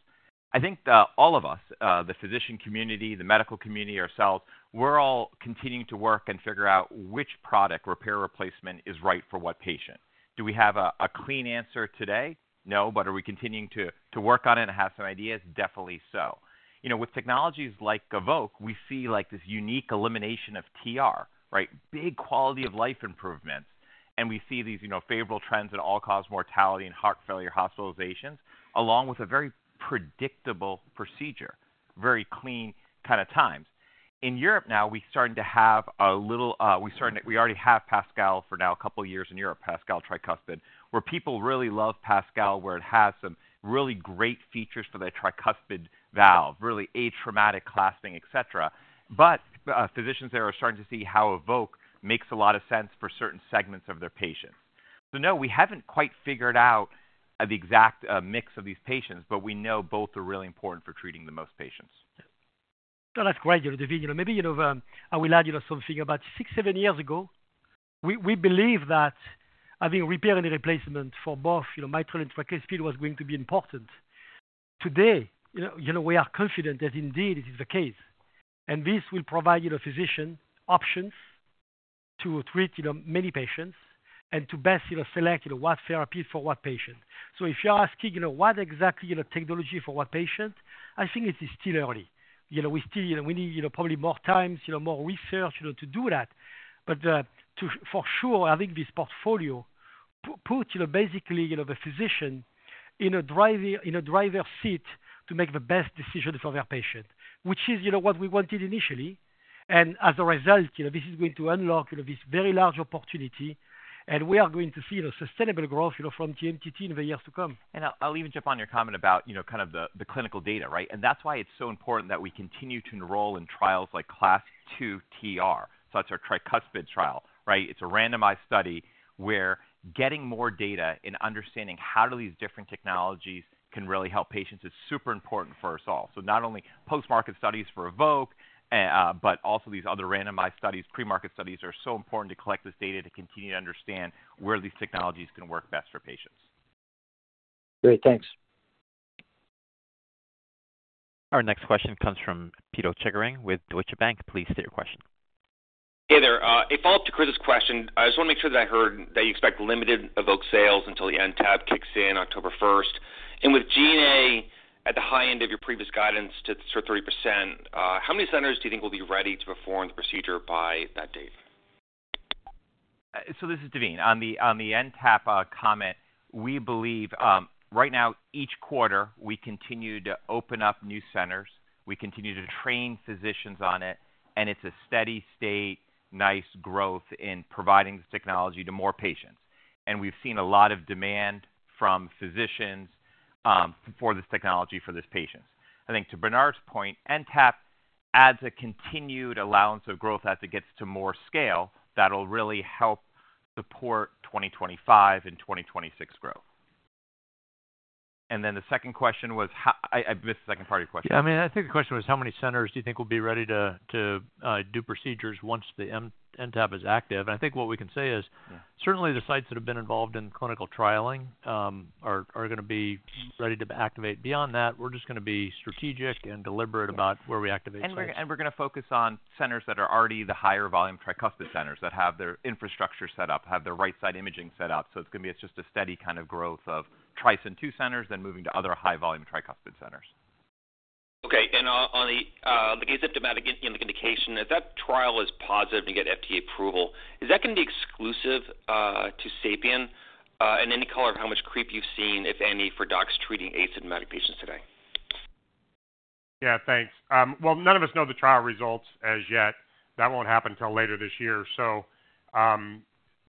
I think all of us, the physician community, the medical community, ourselves, we're all continuing to work and figure out which product, repair or replacement, is right for what patient. Do we have a clean answer today? No, but are we continuing to work on it and have some ideas? Definitely so. With technologies like EVOQUE, we see this unique elimination of TR, right? Big quality of life improvements. And we see these favorable trends in all-cause mortality and heart failure hospitalizations along with a very predictable procedure, very clean kind of times. In Europe now, we're starting to have a little. We already have PASCAL for now a couple of years in Europe, PASCAL tricuspid, where people really love PASCAL, where it has some really great features for the tricuspid valve, really atraumatic clasping, etc. But physicians there are starting to see how EVOQUE makes a lot of sense for certain segments of their patients. So no, we haven't quite figured out the exact mix of these patients, but we know both are really important for treating the most patients. No, that's great, Daveen. Maybe I will add something about six, seven years ago, we believed that having repair and replacement for both mitral and tricuspid was going to be important. Today, we are confident that indeed it is the case. And this will provide physicians options to treat many patients and to best select what therapy for what patient. So if you're asking what exactly technology for what patient, I think it is still early. We still need probably more time, more research to do that. But for sure, I think this portfolio puts basically the physician in a driver's seat to make the best decision for their patient, which is what we wanted initially. And as a result, this is going to unlock this very large opportunity. And we are going to see sustainable growth from TMTT in the years to come. And I'll even jump on your comment about kind of the clinical data, right? And that's why it's so important that we continue to enroll in trials like CLASP II TR. So that's our tricuspid trial, right? It's a randomized study where getting more data and understanding how do these different technologies can really help patients is super important for us all. So not only post-market studies for EVOQUE, but also these other randomized studies, pre-market studies are so important to collect this data to continue to understand where these technologies can work best for patients. Great. Thanks. Our next question comes from Pito Chickering with Deutsche Bank. Please state your question. Hey there. A follow-up to Chris's question, I just want to make sure that I heard that you expect limited EVOQUE sales until the NTAP kicks in October 1st. And with SG&A at the high end of your previous guidance to 30%, how many centers do you think will be ready to perform the procedure by that date? So this is Daveen. On the NTAP comment, we believe right now, each quarter, we continue to open up new centers. We continue to train physicians on it. And it's a steady state, nice growth in providing this technology to more patients. We've seen a lot of demand from physicians for this technology for these patients. I think to Bernard's point, NTAP adds a continued allowance of growth as it gets to more scale that'll really help support 2025 and 2026 growth. Then the second question was I missed the second part of your question. Yeah, I mean, I think the question was how many centers do you think will be ready to do procedures once the NTAP is active? I think what we can say is certainly the sites that have been involved in clinical trialing are going to be ready to activate. Beyond that, we're just going to be strategic and deliberate about where we activate sites. We're going to focus on centers that are already the higher-volume tricuspid centers that have their infrastructure set up, have their right-side imaging set up. So it's going to be just a steady kind of growth of TRs in two centers, then moving to other high-volume tricuspid centers. Okay. And on the asymptomatic indication, if that trial is positive and you get FDA approval, is that going to be exclusive to SAPIEN and any color of how much creep you've seen, if any, for docs treating asymptomatic patients today? Yeah, thanks. Well, none of us know the trial results as yet. That won't happen until later this year. So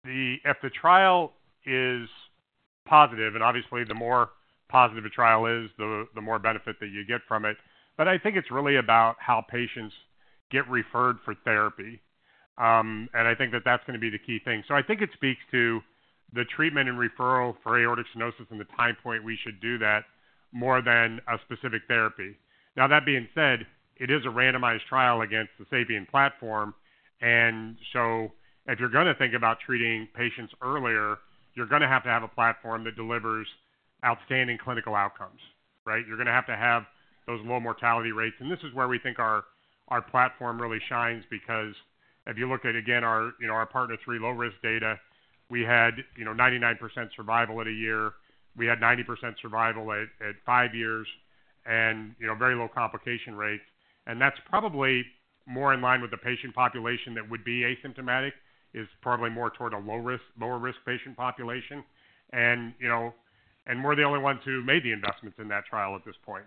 if the trial is positive, and obviously, the more positive a trial is, the more benefit that you get from it. But I think it's really about how patients get referred for therapy. And I think that that's going to be the key thing. So I think it speaks to the treatment and referral for aortic stenosis and the time point we should do that more than a specific therapy. Now, that being said, it is a randomized trial against the SAPIEN platform. And so if you're going to think about treating patients earlier, you're going to have to have a platform that delivers outstanding clinical outcomes, right? You're going to have to have those low mortality rates. And this is where we think our platform really shines because if you look at, again, our PARTNER 3 low-risk data, we had 99% survival at a year. We had 90% survival at five years and very low complication rates. And that's probably more in line with the patient population that would be asymptomatic is probably more toward a lower-risk patient population. And we're the only ones who made the investments in that trial at this point.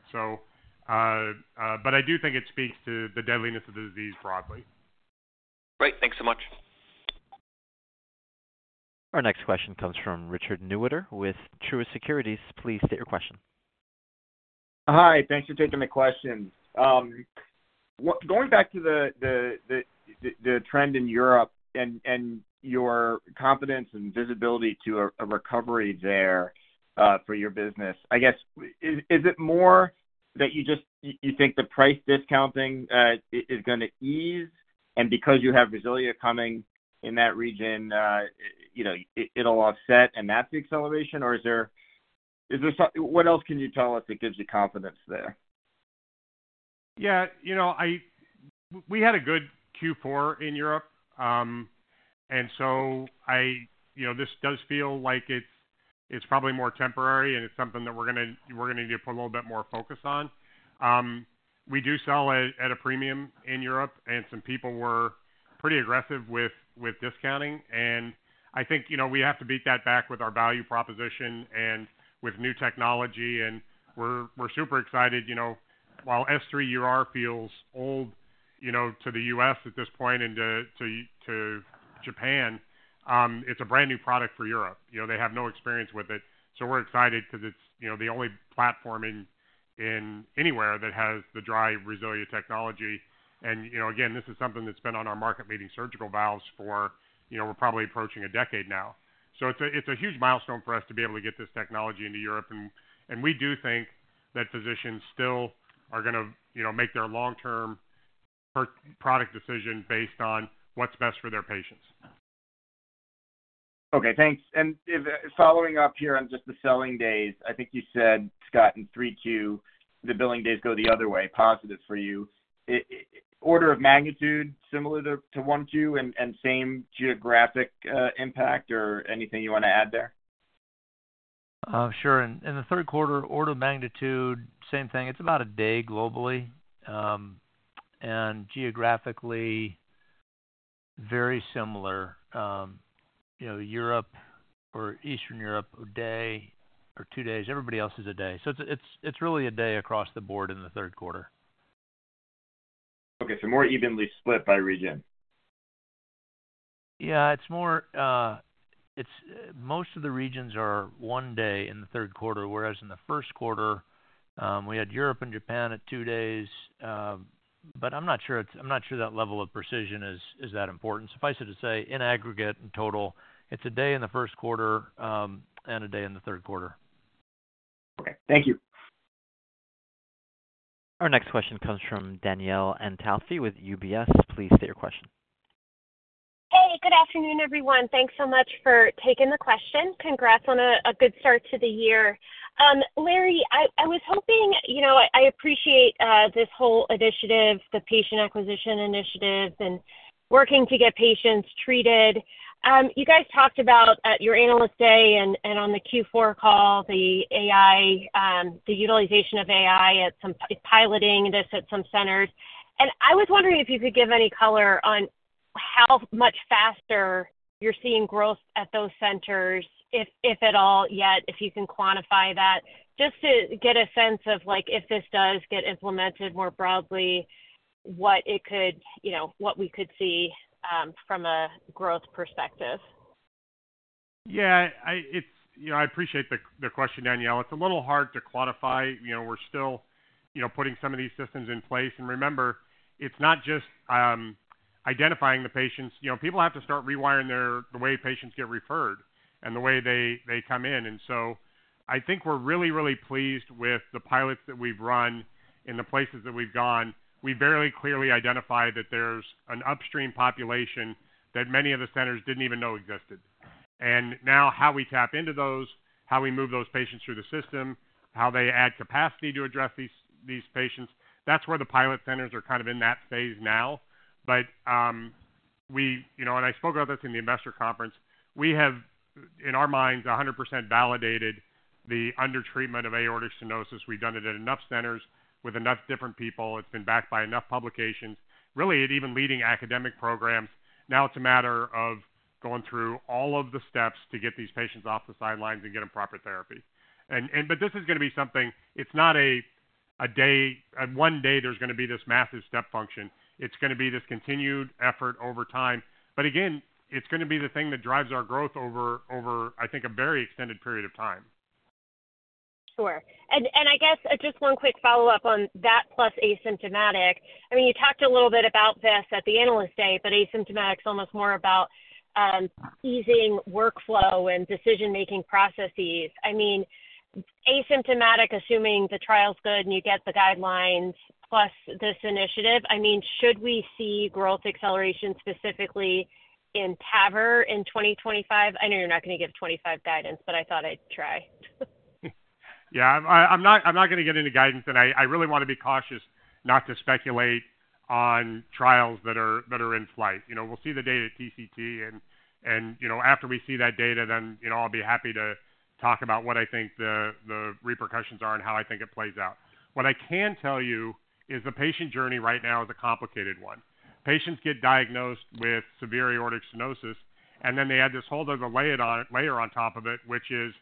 But I do think it speaks to the deadliness of the disease broadly. Great. Thanks so much. Our next question comes from Richard Newitter with Truist Securities. Please state your question. Hi. Thanks for taking the question. Going back to the trend in Europe and your confidence and visibility to a recovery there for your business, I guess, is it more that you think the price discounting is going to ease? And because you have RESILIA coming in that region, it'll offset, and that's the acceleration? Or is there what else can you tell us that gives you confidence there? Yeah, we had a good Q4 in Europe. And so this does feel like it's probably more temporary, and it's something that we're going to need to put a little bit more focus on. We do sell at a premium in Europe, and some people were pretty aggressive with discounting. And I think we have to beat that back with our value proposition and with new technology. And we're super excited. While S3UR feels old to the U.S. at this point and to Japan, it's a brand new product for Europe. They have no experience with it. So we're excited because it's the only platform anywhere that has the dry RESILIA technology. And again, this is something that's been on our market leading surgical valves for we're probably approaching a decade now. So it's a huge milestone for us to be able to get this technology into Europe. And we do think that physicians still are going to make their long-term product decision based on what's best for their patients. Okay. Thanks. Following up here on just the selling days, I think you said, Scott, in 3Q, the selling days go the other way, positive for you. Order of magnitude similar to 1Q and same geographic impact or anything you want to add there? Sure. In the third quarter, order of magnitude, same thing. It's about a day globally and geographically very similar. Europe or Eastern Europe, a day or two days. Everybody else is a day. So it's really a day across the board in the third quarter. Okay. So more evenly split by region? Yeah, it's more most of the regions are one day in the third quarter, whereas in the first quarter, we had Europe and Japan at two days. But I'm not sure that level of precision is that important. So if I said to say in aggregate and total, it's a day in the first quarter and a day in the third quarter. Okay. Thank you. Our next question comes from Danielle Antalffy with UBS. Please state your question. Hey, good afternoon, everyone. Thanks so much for taking the question. Congrats on a good start to the year. Larry, I was hoping I appreciate this whole initiative, the patient acquisition initiative, and working to get patients treated. You guys talked about at your analyst day and on the Q4 call, the utilization of AI at piloting this at some centers. I was wondering if you could give any color on how much faster you're seeing growth at those centers, if at all yet, if you can quantify that, just to get a sense of if this does get implemented more broadly, what it could what we could see from a growth perspective. Yeah, I appreciate the question, Danielle. It's a little hard to quantify. We're still putting some of these systems in place. And remember, it's not just identifying the patients. People have to start rewiring the way patients get referred and the way they come in. And so I think we're really, really pleased with the pilots that we've run in the places that we've gone. We very clearly identify that there's an upstream population that many of the centers didn't even know existed. And now how we tap into those, how we move those patients through the system, how they add capacity to address these patients, that's where the pilot centers are kind of in that phase now. But we and I spoke about this in the investor conference. We have, in our minds, 100% validated the undertreatment of aortic stenosis. We've done it at enough centers with enough different people. It's been backed by enough publications, really, even leading academic programs. Now it's a matter of going through all of the steps to get these patients off the sidelines and get them proper therapy. But this is going to be something it's not a day one day there's going to be this massive step function. It's going to be this continued effort over time. But again, it's going to be the thing that drives our growth over, I think, a very extended period of time. Sure. And I guess just one quick follow-up on that plus asymptomatic. I mean, you talked a little bit about this at the analyst day, but asymptomatic is almost more about easing workflow and decision-making processes. I mean, asymptomatic, assuming the trial's good and you get the guidelines plus this initiative, I mean, should we see growth acceleration specifically in TAVR in 2025? I know you're not going to give 2025 guidance, but I thought I'd try. Yeah, I'm not going to get into guidance. And I really want to be cautious not to speculate on trials that are in flight. We'll see the data at TCT. After we see that data, then I'll be happy to talk about what I think the repercussions are and how I think it plays out. What I can tell you is the patient journey right now is a complicated one. Patients get diagnosed with severe aortic stenosis, and then they add this whole other layer on top of it, which is,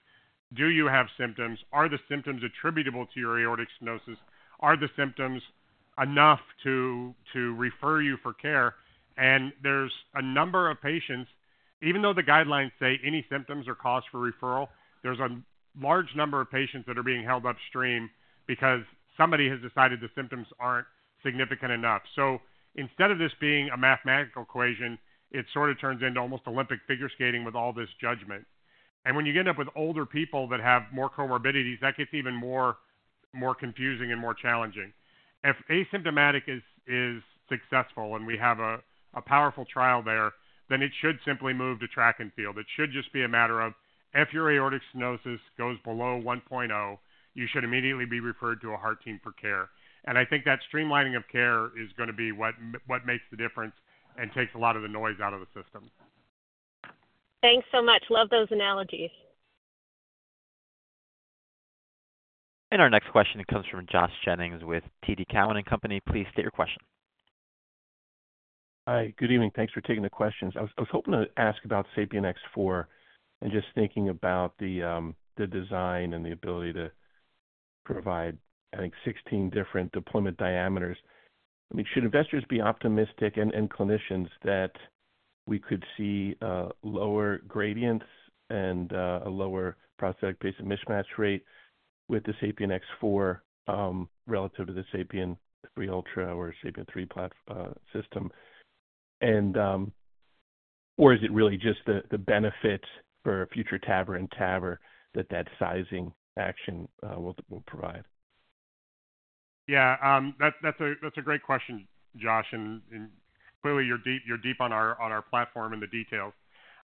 do you have symptoms? Are the symptoms attributable to your aortic stenosis? Are the symptoms enough to refer you for care? And there's a number of patients, even though the guidelines say any symptoms are caused for referral, there's a large number of patients that are being held upstream because somebody has decided the symptoms aren't significant enough. So instead of this being a mathematical equation, it sort of turns into almost Olympic figure skating with all this judgment. And when you end up with older people that have more comorbidities, that gets even more confusing and more challenging. If asymptomatic is successful and we have a powerful trial there, then it should simply move to track and field. It should just be a matter of if your aortic stenosis goes below 1.0, you should immediately be referred to a heart team for care. And I think that streamlining of care is going to be what makes the difference and takes a lot of the noise out of the system. Thanks so much. Love those analogies. And our next question comes from Josh Jennings with TD Cowen and Company. Please state your question. Hi. Good evening. Thanks for taking the questions. I was hoping to ask about SAPIEN X4 and just thinking about the design and the ability to provide, I think, 16 different deployment diameters. I mean, should investors be optimistic and clinicians that we could see lower gradients and a lower prosthetic patient mismatch rate with the SAPIEN X4 relative to the SAPIEN 3 Ultra or SAPIEN 3 system? Or is it really just the benefit for future TAVR-in-TAVR that that sizing action will provide? Yeah, that's a great question, Josh. And clearly, you're deep on our platform and the details.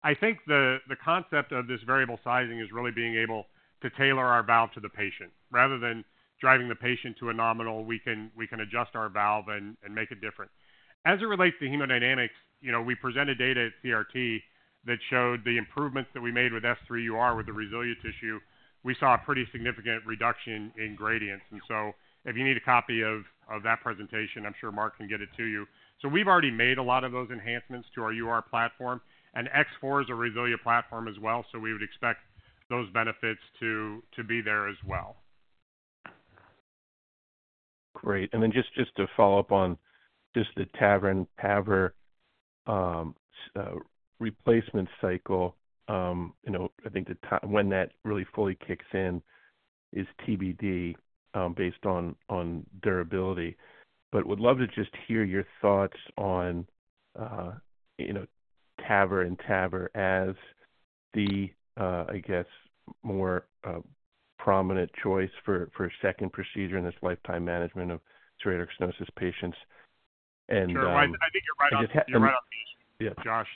I think the concept of this variable sizing is really being able to tailor our valve to the patient. Rather than driving the patient to a nominal, we can adjust our valve and make it different. As it relates to hemodynamics, we presented data at CRT that showed the improvements that we made with S3UR with the RESILIA tissue. We saw a pretty significant reduction in gradients. And so if you need a copy of that presentation, I'm sure Mark can get it to you. So we've already made a lot of those enhancements to our SAPIEN platform. And X4 is a RESILIA platform as well. So we would expect those benefits to be there as well. Great. And then just to follow up on just the TAVR-in-TAVR replacement cycle, I think when that really fully kicks in is TBD based on durability. But would love to just hear your thoughts on TAVR-in-TAVR as the, I guess, more prominent choice for second procedure in this lifetime management of aortic stenosis patients. Sure. I think you're right on the issue, Josh.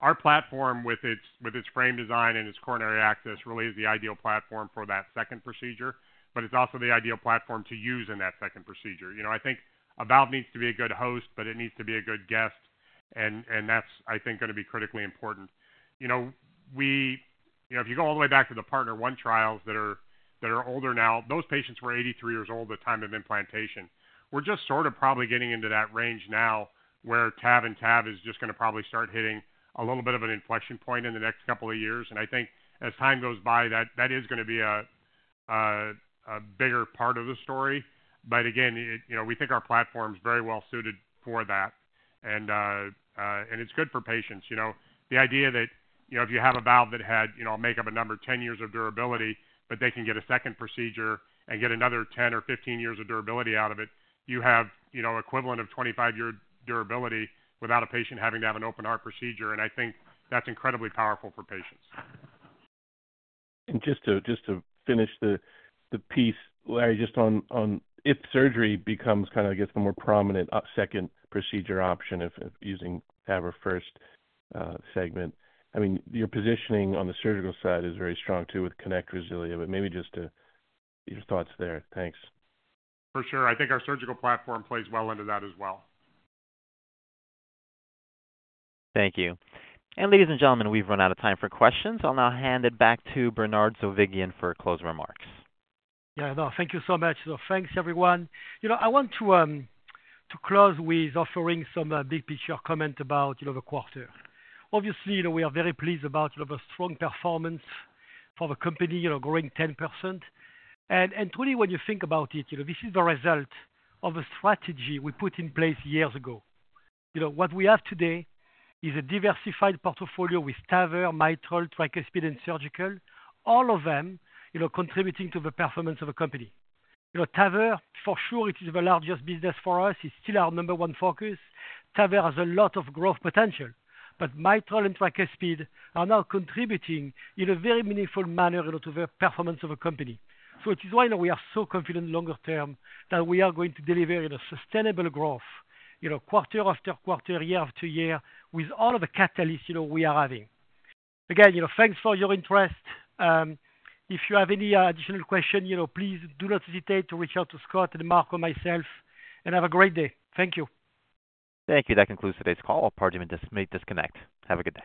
Our platform, with its frame design and its coronary access, really is the ideal platform for that second procedure. But it's also the ideal platform to use in that second procedure. I think a valve needs to be a good host, but it needs to be a good guest. And that's, I think, going to be critically important. If you go all the way back to the PARTNER 1 trials that are older now, those patients were 83 years old at the time of implantation. We're just sort of probably getting into that range now where TAVR-in-TAVR is just going to probably start hitting a little bit of an inflection point in the next couple of years. And I think as time goes by, that is going to be a bigger part of the story. But again, we think our platform is very well suited for that. And it's good for patients. The idea that if you have a valve that had, I'll make up a number, 10 years of durability, but they can get a second procedure and get another 10 or 15 years of durability out of it, you have equivalent of 25-year durability without a patient having to have an open heart procedure. And I think that's incredibly powerful for patients. And just to finish the piece, Larry, just on if surgery becomes kind of, I guess, the more prominent second procedure option if using TAVR first segment, I mean, your positioning on the Surgical side is very strong too with KONECT RESILIA. But maybe just your thoughts there. Thanks. For sure. I think our Surgical platform plays well into that as well. Thank you. And ladies and gentlemen, we've run out of time for questions. I'll now hand it back to Bernard Zovighian for closing remarks. Yeah, no, thank you so much. Thanks, everyone. I want to close with offering some big picture comment about the quarter. Obviously, we are very pleased about the strong performance for the company growing 10%. Truly, when you think about it, this is the result of a strategy we put in place years ago. What we have today is a diversified portfolio with TAVR, mitral, tricuspid, and Surgical, all of them contributing to the performance of the company. TAVR, for sure, it is the largest business for us. It's still our number one focus. TAVR has a lot of growth potential. But mitral and tricuspid are now contributing in a very meaningful manner to the performance of the company. So it is why we are so confident longer term that we are going to deliver sustainable growth quarter after quarter, year after year, with all of the catalysts we are having. Again, thanks for your interest. If you have any additional question, please do not hesitate to reach out to Scott and Mark or myself. Have a great day. Thank you. Thank you. That concludes today's call. Apologies for the disconnect. Have a good day.